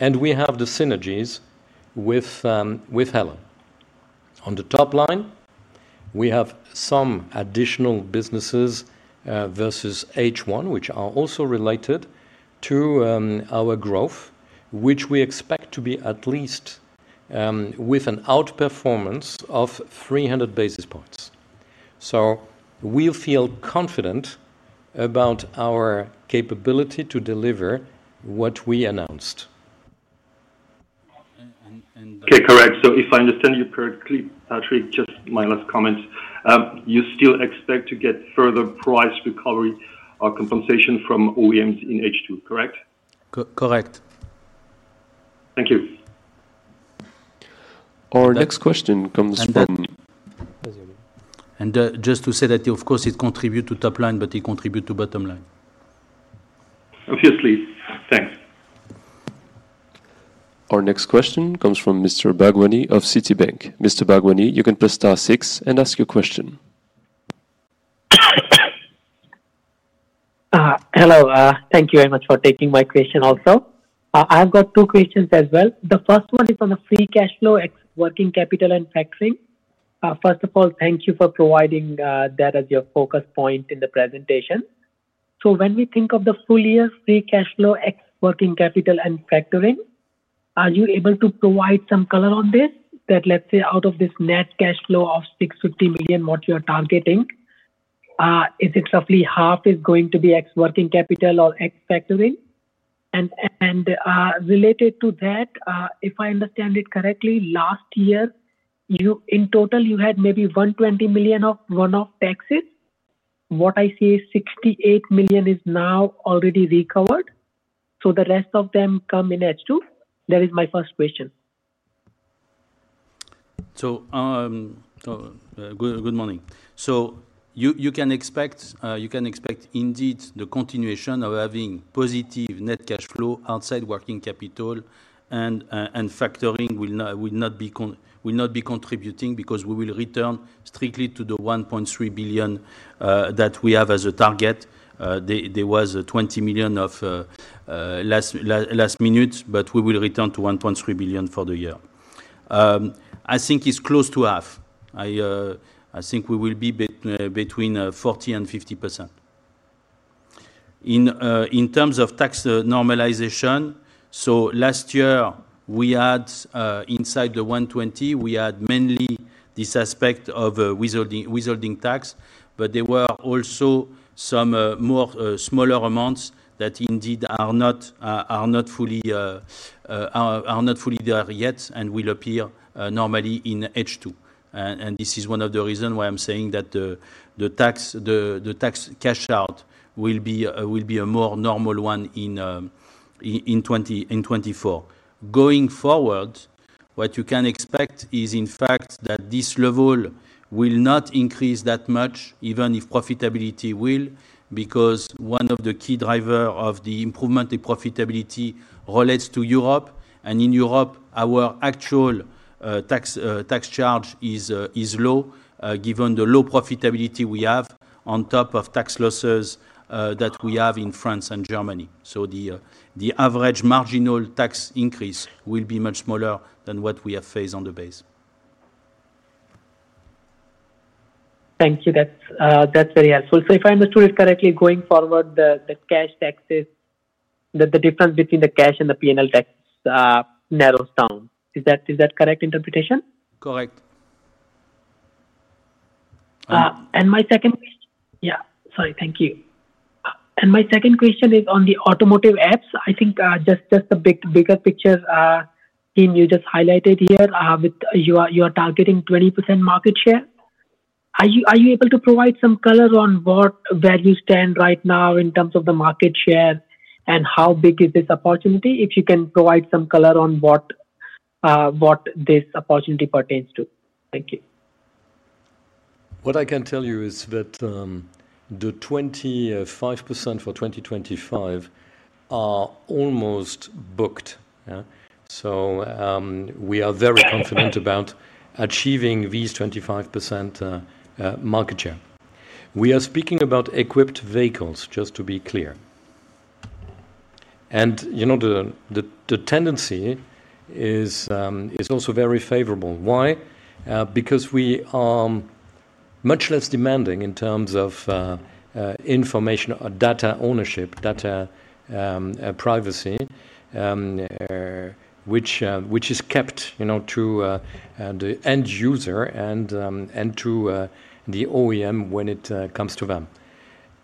And we have the synergies with Hella. On the top line, we have some additional businesses versus H1, which are also related to our growth, which we expect to be at least with an outperformance of 300 basis points. So we feel confident about our capability to deliver what we announced. Okay, correct. So if I understand you correctly, Patrick, just my last comment, you still expect to get further price recovery or compensation from OEMs in H2, correct? Correct. Thank you. Our next question comes from. And just to say that, of course, it contributes to top line, but it contributes to bottom line. Obviously. Thanks. Our next question comes from Mr. Bhagwani of Citibank. Mr. Bhagwani, you can press star six and ask your question. Hello. Thank you very much for taking my question also. I've got two questions as well. The first one is on the free cash flow, ex working capital and factoring. First of all, thank you for providing that as your focus point in the presentation. So when we think of the full year free cash flow, ex working capital and factoring, are you able to provide some color on this? That, let's say, out of this net cash flow of 650 million, what you are targeting, is it roughly half is going to be ex working capital or ex factoring? And related to that, if I understand it correctly, last year, in total, you had maybe 120 million of one-off taxes. What I see is 68 million is now already recovered. So the rest of them come in H2? That is my first question. So good morning. So you can expect indeed the continuation of having positive net cash flow outside working capital and factoring will not be contributing because we will return strictly to the 1.3 billion that we have as a target. There was 20 million last minute, but we will return to 1.3 billion for the year. I think it's close to half. I think we will be between 40%-50%. In terms of tax normalization, so last year, inside the 120, we had mainly this aspect of withholding tax, but there were also some smaller amounts that indeed are not fully there yet and will appear normally in H2. And this is one of the reasons why I'm saying that the tax cash out will be a more normal one in 2024. Going forward, what you can expect is, in fact, that this level will not increase that much, even if profitability will, because one of the key drivers of the improvement in profitability relates to Europe. In Europe, our actual tax charge is low, given the low profitability we have on top of tax losses that we have in France and Germany. So the average marginal tax increase will be much smaller than what we have faced on the base. Thank you. That's very helpful. So if I understood it correctly, going forward, the cash taxes, the difference between the cash and the P&L tax narrows down. Is that a correct interpretation? Correct. And my second question yeah, sorry. Thank you. And my second question is on the Automotive Apps. I think just the bigger picture theme you just highlighted here with your targeting 20% market share. Are you able to provide some color on where you stand right now in terms of the market share and how big is this opportunity? If you can provide some color on what this opportunity pertains to. Thank you. What I can tell you is that the 25% for 2025 are almost booked. So we are very confident about achieving these 25% market share. We are speaking about equipped vehicles, just to be clear. And the tendency is also very favorable. Why? Because we are much less demanding in terms of information or data ownership, data privacy, which is kept to the end user and to the OEM when it comes to them.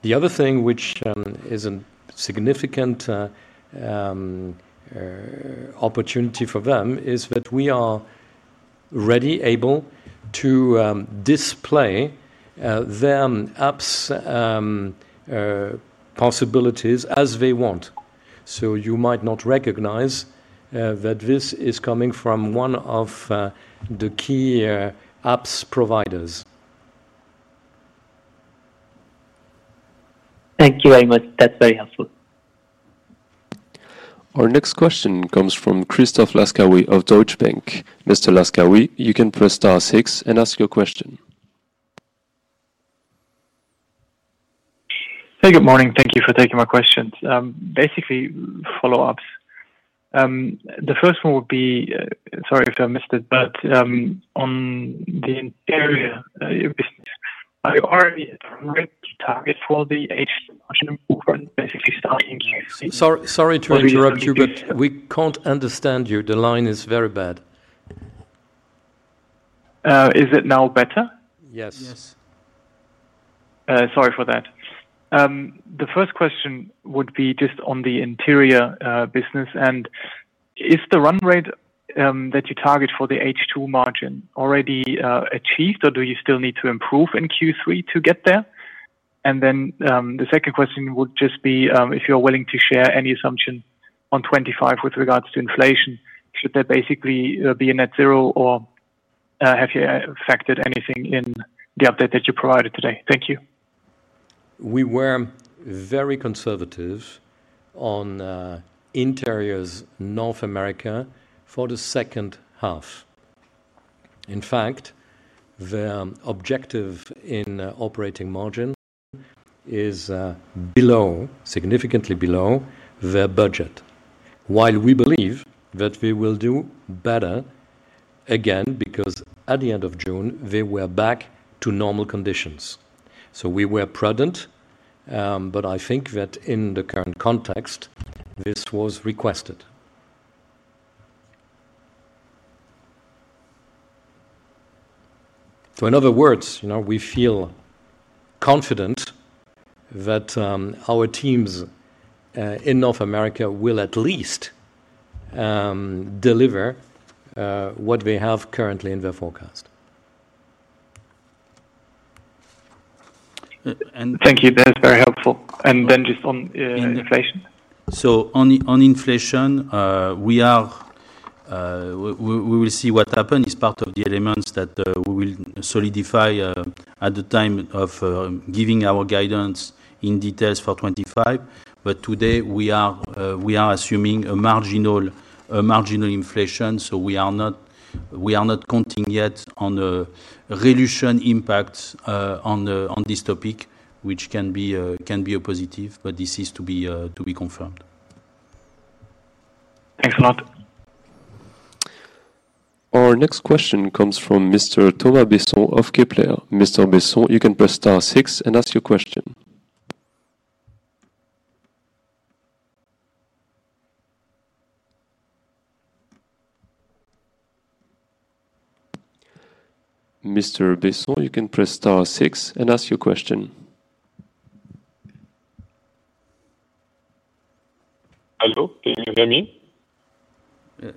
The other thing which is a significant opportunity for them is that we are ready, able to display their apps' possibilities as they want. So you might not recognize that this is coming from one of the key apps providers. Thank you very much. That's very helpful. Our next question comes from Christoph Laskawi of Deutsche Bank. Mr. Laskawi, you can press star six and ask your question. Hey, good morning. Thank you for taking my questions. Basically, follow-ups. The first one would be sorry if I missed it, but on the interior business, are you already target for the H2 movement, basically starting? Sorry to interrupt you, but we can't understand you. The line is very bad. Is it now better? Yes. Sorry for that. The first question would be just on the interior business. Is the run rate that you target for the H2 margin already achieved, or do you still need to improve in Q3 to get there? Then the second question would just be if you're willing to share any assumption on 2025 with regards to inflation. Should that basically be a net zero, or have you affected anything in the update that you provided today? Thank you. We were very conservative on Interiors North America for the second half. In fact, the objective in operating margin is below, significantly below their budget, while we believe that we will do better again because at the end of June, they were back to normal conditions. So we were prudent, but I think that in the current context, this was requested. So in other words, we feel confident that our teams in North America will at least deliver what they have currently in their forecast. And thank you. That is very helpful. And then just on inflation. So on inflation, we will see what happens is part of the elements that we will solidify at the time of giving our guidance in details for 2025. But today, we are assuming a marginal inflation. So we are not counting yet on a resolution impact on this topic, which can be a positive, but this is to be confirmed. Thanks a lot. Our next question comes from Mr. Thomas Besson of Kepler. Mr. Besson, you can press star six and ask your question. Mr. Besson, you can press star six and ask your question. Hello. Can you hear me?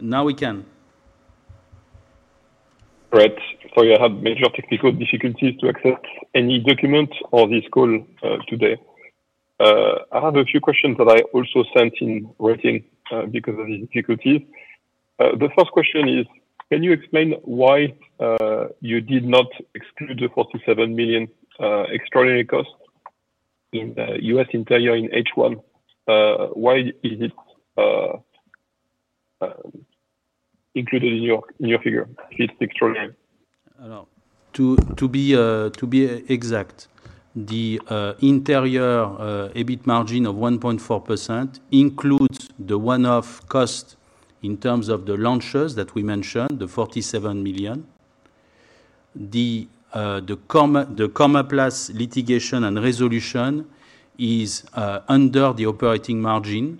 Now we can. Great. Sorry, I have major technical difficulties to access any documents on this call today. I have a few questions that I also sent in writing because of these difficulties. The first question is, can you explain why you did not exclude the 47 million extraordinary cost in U.S. interior in H1? Why is it included in your figure? It's extraordinary. To be exact, the interior EBIT margin of 1.4% includes the one-off cost in terms of the launches that we mentioned, the 47 million. The Comaplast litigation and resolution is under the operating margin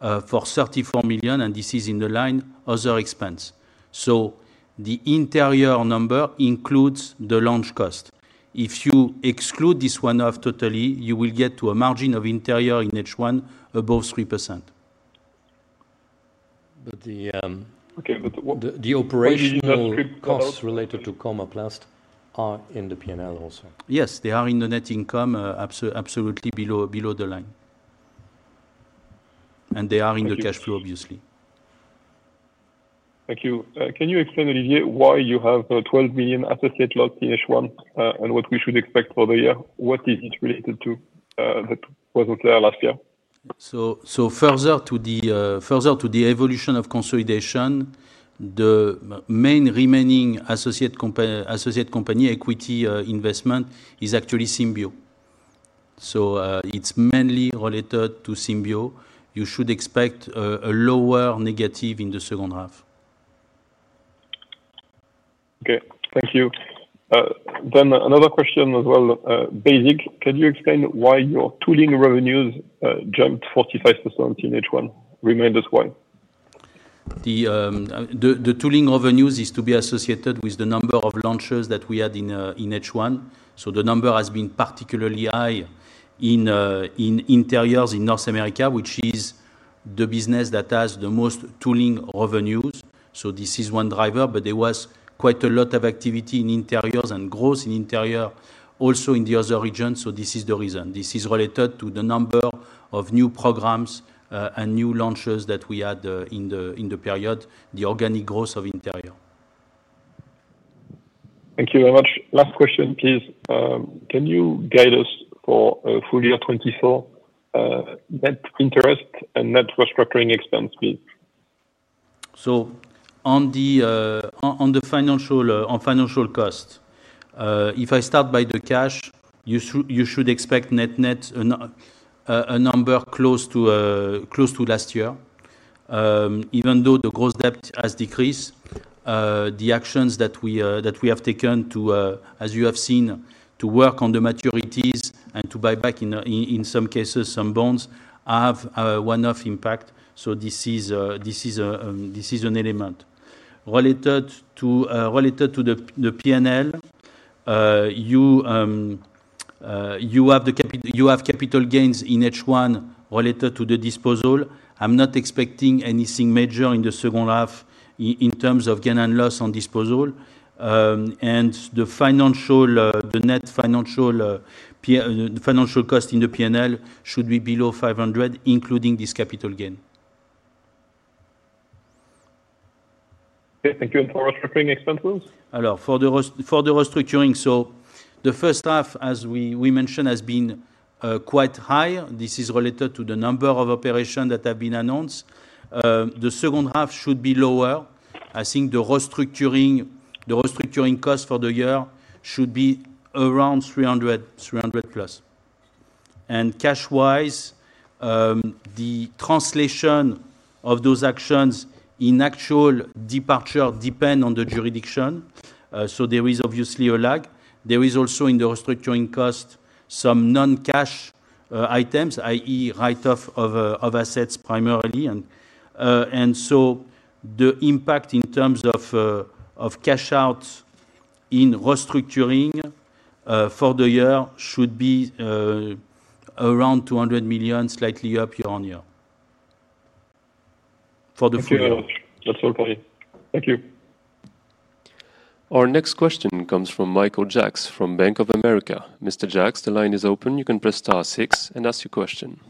for 34 million, and this is in the line other expense. So the interior number includes the launch cost. If you exclude this one-off totally, you will get to a margin of interior in H1 above 3%. Okay, but the operational costs related to Comaplast are in the P&L also. Yes, they are in the net income absolutely below the line. And they are in the cash flow, obviously. Thank you. Can you explain, Olivier, why you have 12 million associate losses in H1 and what we should expect for the year? What is it related to that wasn't there last year? So further to the evolution of consolidation, the main remaining associate company equity investment is actually Symbio. So it's mainly related to Symbio. You should expect a lower negative in the second half. Okay. Thank you. Then another question as well, basic. Can you explain why your tooling revenues jumped 45% in H1? Remind us why. The tooling revenues is to be associated with the number of launches that we had in H1. The number has been particularly high in Interiors in North America, which is the business that has the most tooling revenues. This is one driver, but there was quite a lot of activity in Interiors and growth in Interiors also in the other regions. This is the reason. This is related to the number of new programs and new launches that we had in the period, the organic growth of Interiors. Thank you very much. Last question, please. Can you guide us for full year 2024 net interest and net restructuring expense, please? On the financial cost, if I start by the cash, you should expect net net a number close to last year. Even though the gross debt has decreased, the actions that we have taken, as you have seen, to work on the maturities and to buy back, in some cases, some bonds have one-off impact. So this is an element. Related to the P&L, you have capital gains in H1 related to the disposal. I'm not expecting anything major in the second half in terms of gain and loss on disposal. And the net financial cost in the P&L should be below 500 million, including this capital gain. Okay. Thank you. And for restructuring expenses? Alors, for the restructuring, so the first half, as we mentioned, has been quite high. This is related to the number of operations that have been announced. The second half should be lower. I think the restructuring cost for the year should be around 300 million plus. And cash-wise, the translation of those actions in actual departure depends on the jurisdiction. So there is obviously a lag. There is also in the restructuring cost some non-cash items, i.e., write-off of assets primarily. And so the impact in terms of cash out in restructuring for the year should be around 200 million, slightly up year-on-year. For the full year. That's all, Cory. Thank you. Our next question comes from Michael Jacks from Bank of America. Mr. Jacks, the line is open. You can press star six and ask your question.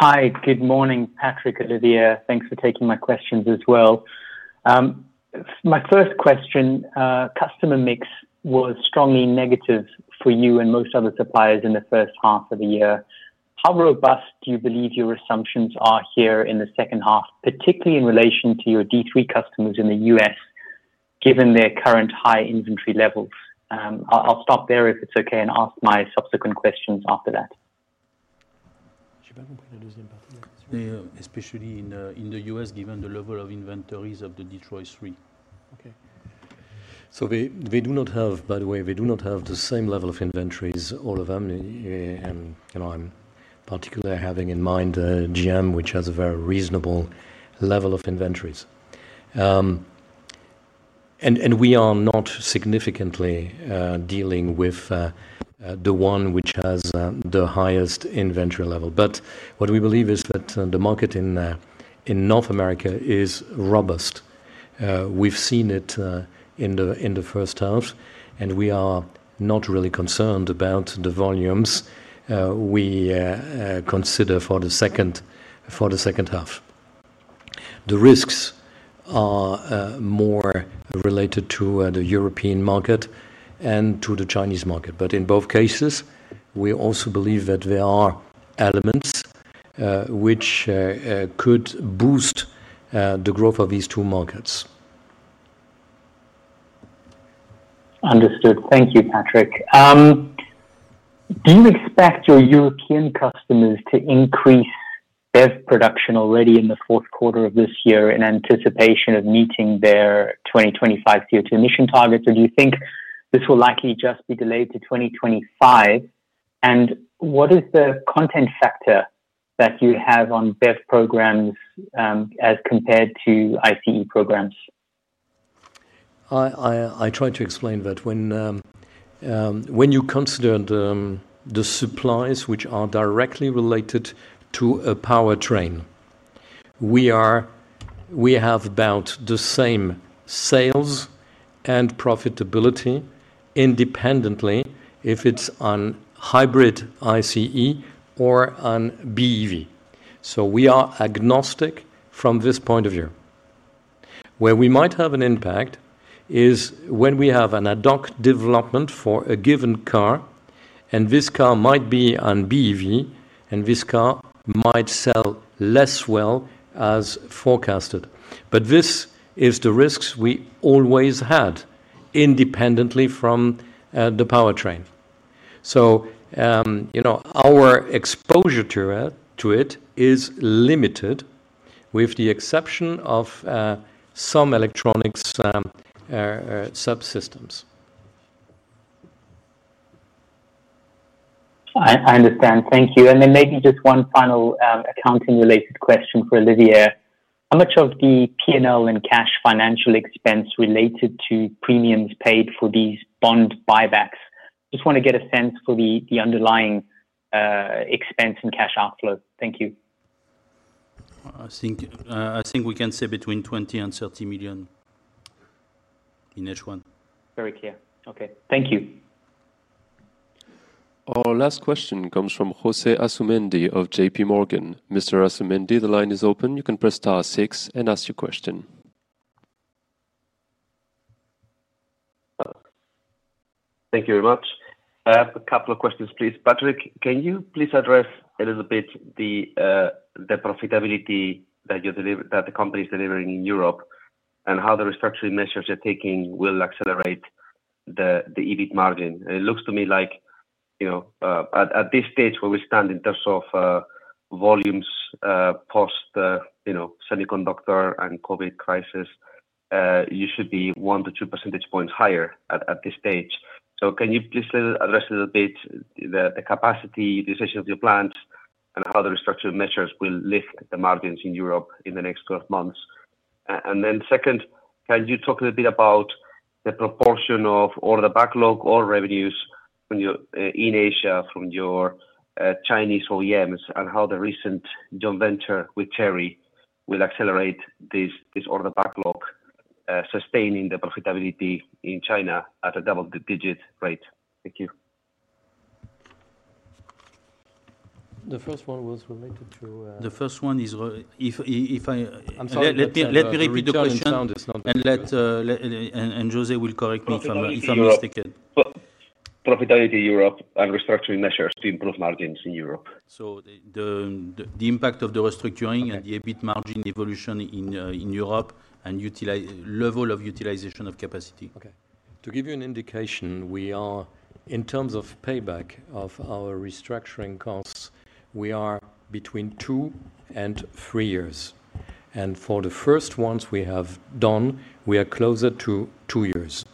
Hi. Good morning, Patrick, Olivier. Thanks for taking my questions as well. My first question, customer mix was strongly negative for you and most other suppliers in the first half of the year. How robust do you believe your assumptions are here in the second half, particularly in relation to your D3 customers in the US, given their current high inventory levels? I'll stop there if it's okay and ask my subsequent questions after that. Especially in the U.S., given the level of inventories of the Detroit Three. Okay. So they do not have, by the way, they do not have the same level of inventories all of them. I'm particularly having in mind GM, which has a very reasonable level of inventories. And we are not significantly dealing with the one which has the highest inventory level. But what we believe is that the market in North America is robust. We've seen it in the first half, and we are not really concerned about the volumes we consider for the second half. The risks are more related to the European market and to the Chinese market. But in both cases, we also believe that there are elements which could boost the growth of these two markets. Understood. Thank you, Patrick. Do you expect your European customers to increase their production already in the fourth quarter of this year in anticipation of meeting their 2025 CO2 emission targets, or do you think this will likely just be delayed to 2025? And what is the content factor that you have on BEV programs as compared to ICE programs? I tried to explain that when you consider the suppliers which are directly related to a powertrain, we have about the same sales and profitability independently if it's on hybrid ICE or on BEV. So we are agnostic from this point of view. Where we might have an impact is when we have an ad hoc development for a given car, and this car might be on BEV, and this car might sell less well as forecasted. But this is the risks we always had independently from the powertrain. So our exposure to it is limited with the exception of some electronics subsystems. I understand. Thank you. And then maybe just one final accounting-related question for Olivier. How much of the P&L and cash financial expense related to premiums paid for these bond buybacks? Just want to get a sense for the underlying expense and cash outflow. Thank you. I think we can say between 20 million and 30 million in H1. Very clear. Okay. Thank you. Our last question comes from José Asumendi of JPMorgan. Mr. Asumendi, the line is open. You can press star six and ask your question. Thank you very much. I have a couple of questions, please. Patrick, can you please address a little bit the profitability that the company is delivering in Europe and how the restructuring measures you're taking will accelerate the EBIT margin? It looks to me like at this stage where we stand in terms of volumes post-semiconductor and COVID crisis, you should be 1-2 percentage points higher at this stage. So can you please address a little bit the capacity, the size of your plants, and how the restructuring measures will lift the margins in Europe in the next 12 months? And then second, can you talk a little bit about the proportion of all the backlog or revenues in Asia from your Chinese OEMs and how the recent joint venture with Chery will accelerate this order backlog, sustaining the profitability in China at a double-digit rate? Thank you. The first one is if I. I'm sorry. Let me repeat the question, and José will correct me if I'm mistaken. Profitability in Europe and restructuring measures to improve margins in Europe? So the impact of the restructuring and the EBIT margin evolution in Europe and level of utilization of capacity. Okay. To give you an indication, in terms of payback of our restructuring costs, we are between two and three years. And for the first ones we have done, we are closer to two years.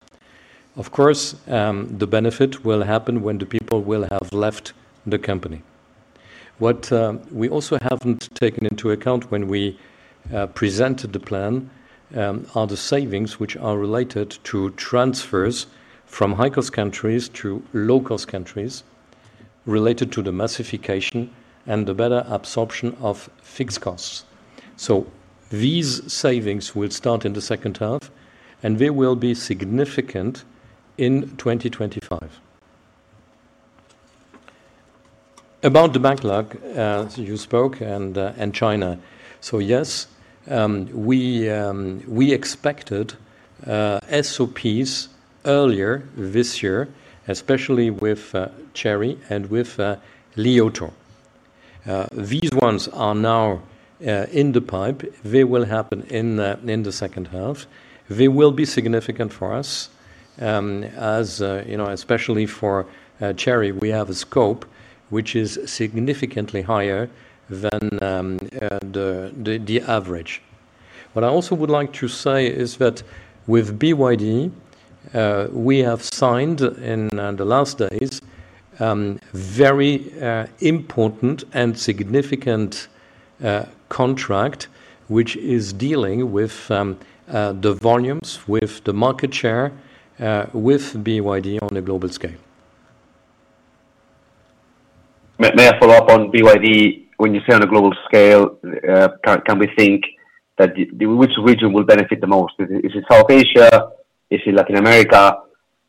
Of course, the benefit will happen when the people will have left the company. What we also haven't taken into account when we presented the plan are the savings which are related to transfers from high-cost countries to low-cost countries related to the massification and the better absorption of fixed costs. So these savings will start in the second half, and they will be significant in 2025. About the backlog, you spoke on China. So yes, we expected SOPs earlier this year, especially with Chery and with Li Auto. These ones are now in the pipe. They will happen in the second half. They will be significant for us, especially for Chery. We have a scope which is significantly higher than the average. What I also would like to say is that with BYD, we have signed in the last days a very important and significant contract which is dealing with the volumes, with the market share, with BYD on a global scale. May I follow up on BYD? When you say on a global scale, can we think which region will benefit the most? Is it South Asia? Is it Latin America?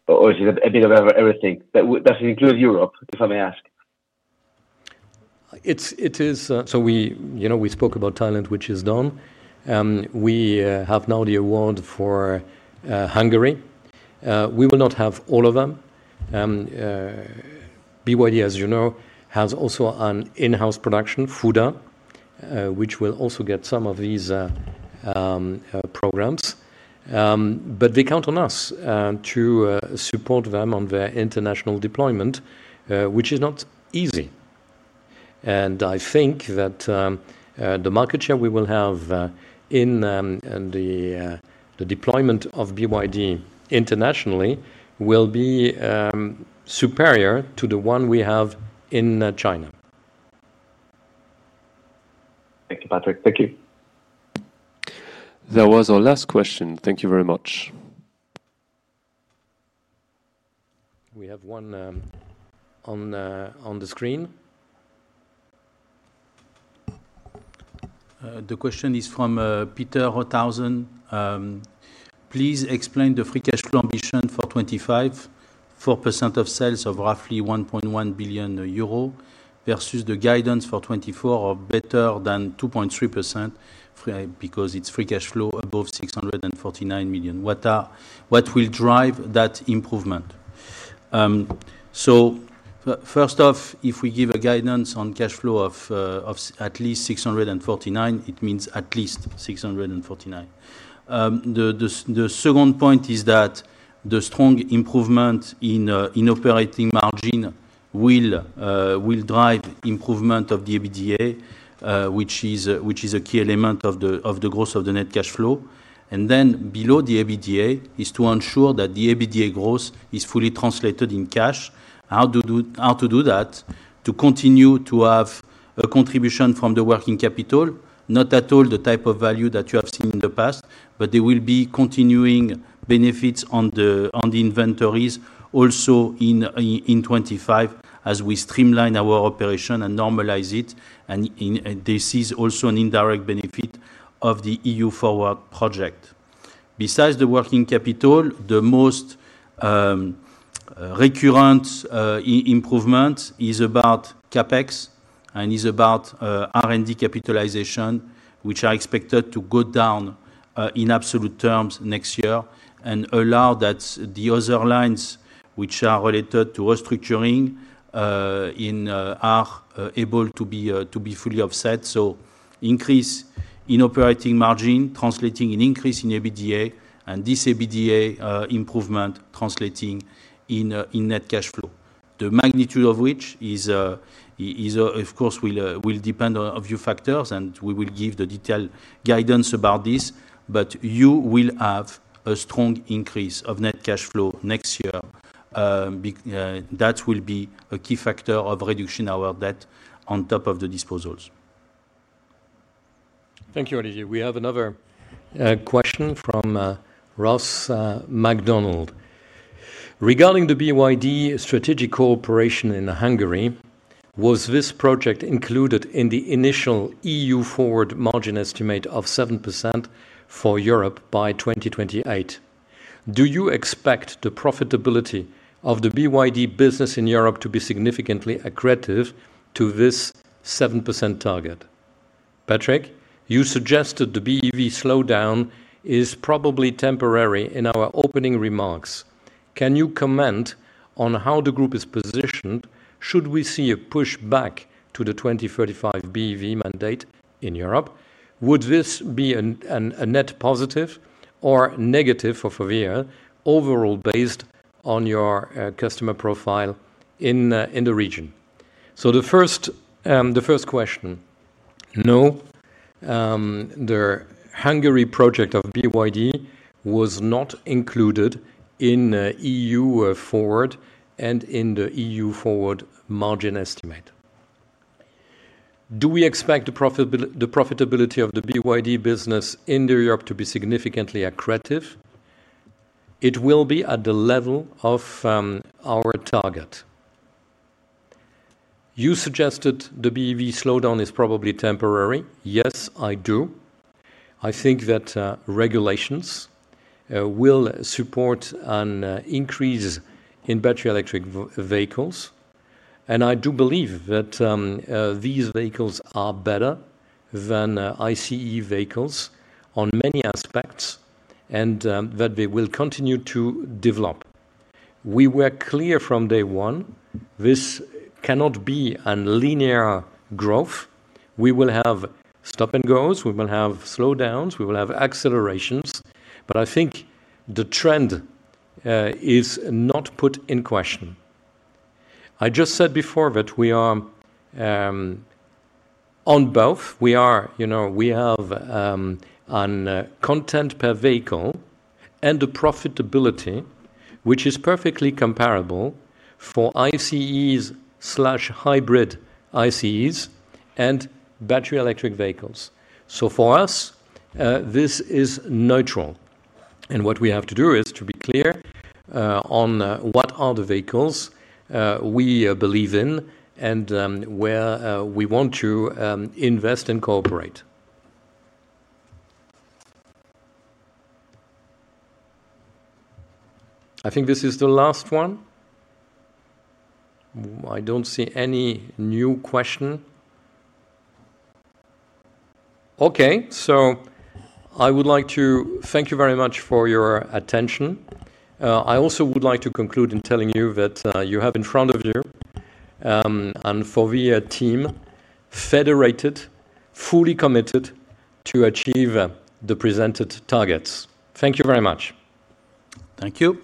Or is it a bit of everything? Does it include Europe? If I may ask. It is. So we spoke about Thailand, which is done. We have now the award for Hungary. We will not have all of them. BYD, as you know, has also an in-house production, Fuda, which will also get some of these programs. But they count on us to support them on their international deployment, which is not easy. And I think that the market share we will have in the deployment of BYD internationally will be superior to the one we have in China. Thank you, Patrick. Thank you. That was our last question. Thank you very much. We have one on the screen. The question is from Peter Rothenaicher. Please explain the free cash flow ambition for 2025, 4% of sales of roughly 1.1 billion euro versus the guidance for 2024 of better than 2.3% because it's free cash flow above 649 million. What will drive that improvement? So first off, if we give a guidance on cash flow of at least 649 million, it means at least 649 million. The second point is that the strong improvement in operating margin will drive improvement of the EBITDA, which is a key element of the growth of the net cash flow. And then below the EBITDA is to ensure that the EBITDA growth is fully translated in cash. How to do that? To continue to have a contribution from the working capital, not at all the type of value that you have seen in the past, but there will be continuing benefits on the inventories also in 2025 as we streamline our operation and normalize it. And this is also an indirect benefit of the EU-FORWARD project. Besides the working capital, the most recurrent improvement is about CapEx and is about R&D capitalization, which are expected to go down in absolute terms next year and allow that the other lines which are related to restructuring are able to be fully offset. So increase in operating margin, translating in increase in EBITDA, and this EBITDA improvement translating in net cash flow. The magnitude of which is, of course, will depend on a few factors, and we will give the detailed guidance about this. But you will have a strong increase of net cash flow next year. That will be a key factor of reducing our debt on top of the disposals. Thank you, Olivier. We have another question from Ross MacDonald. Regarding the BYD strategic cooperation in Hungary, was this project included in the initial EU-FORWARD margin estimate of 7% for Europe by 2028? Do you expect the profitability of the BYD business in Europe to be significantly accretive to this 7% target? Patrick, you suggested the BEV slowdown is probably temporary in our opening remarks. Can you comment on how the group is positioned should we see a push back to the 2035 BEV mandate in Europe? Would this be a net positive or negative for Forvia, overall based on your customer profile in the region? So the first question. No, the Hungary project of BYD was not included in EU-FORWARD and in the EU-FORWARD margin estimate. Do we expect the profitability of the BYD business in Europe to be significantly accretive? It will be at the level of our target. You suggested the BEV slowdown is probably temporary. Yes, I do. I think that regulations will support an increase in battery electric vehicles. And I do believe that these vehicles are better than ICE vehicles on many aspects and that they will continue to develop. We were clear from day one. This cannot be a linear growth. We will have stop-and-goes. We will have slowdowns. We will have accelerations. But I think the trend is not put in question. I just said before that we are on both. We have a content per vehicle and a profitability which is perfectly comparable for ICEs/hybrid ICEs and battery electric vehicles. So for us, this is neutral. And what we have to do is to be clear on what are the vehicles we believe in and where we want to invest and cooperate. I think this is the last one. I don't see any new question. Okay. So I would like to thank you very much for your attention. I also would like to conclude in telling you that you have in front of you a Forvia team federated, fully committed to achieve the presented targets. Thank you very much. Thank you.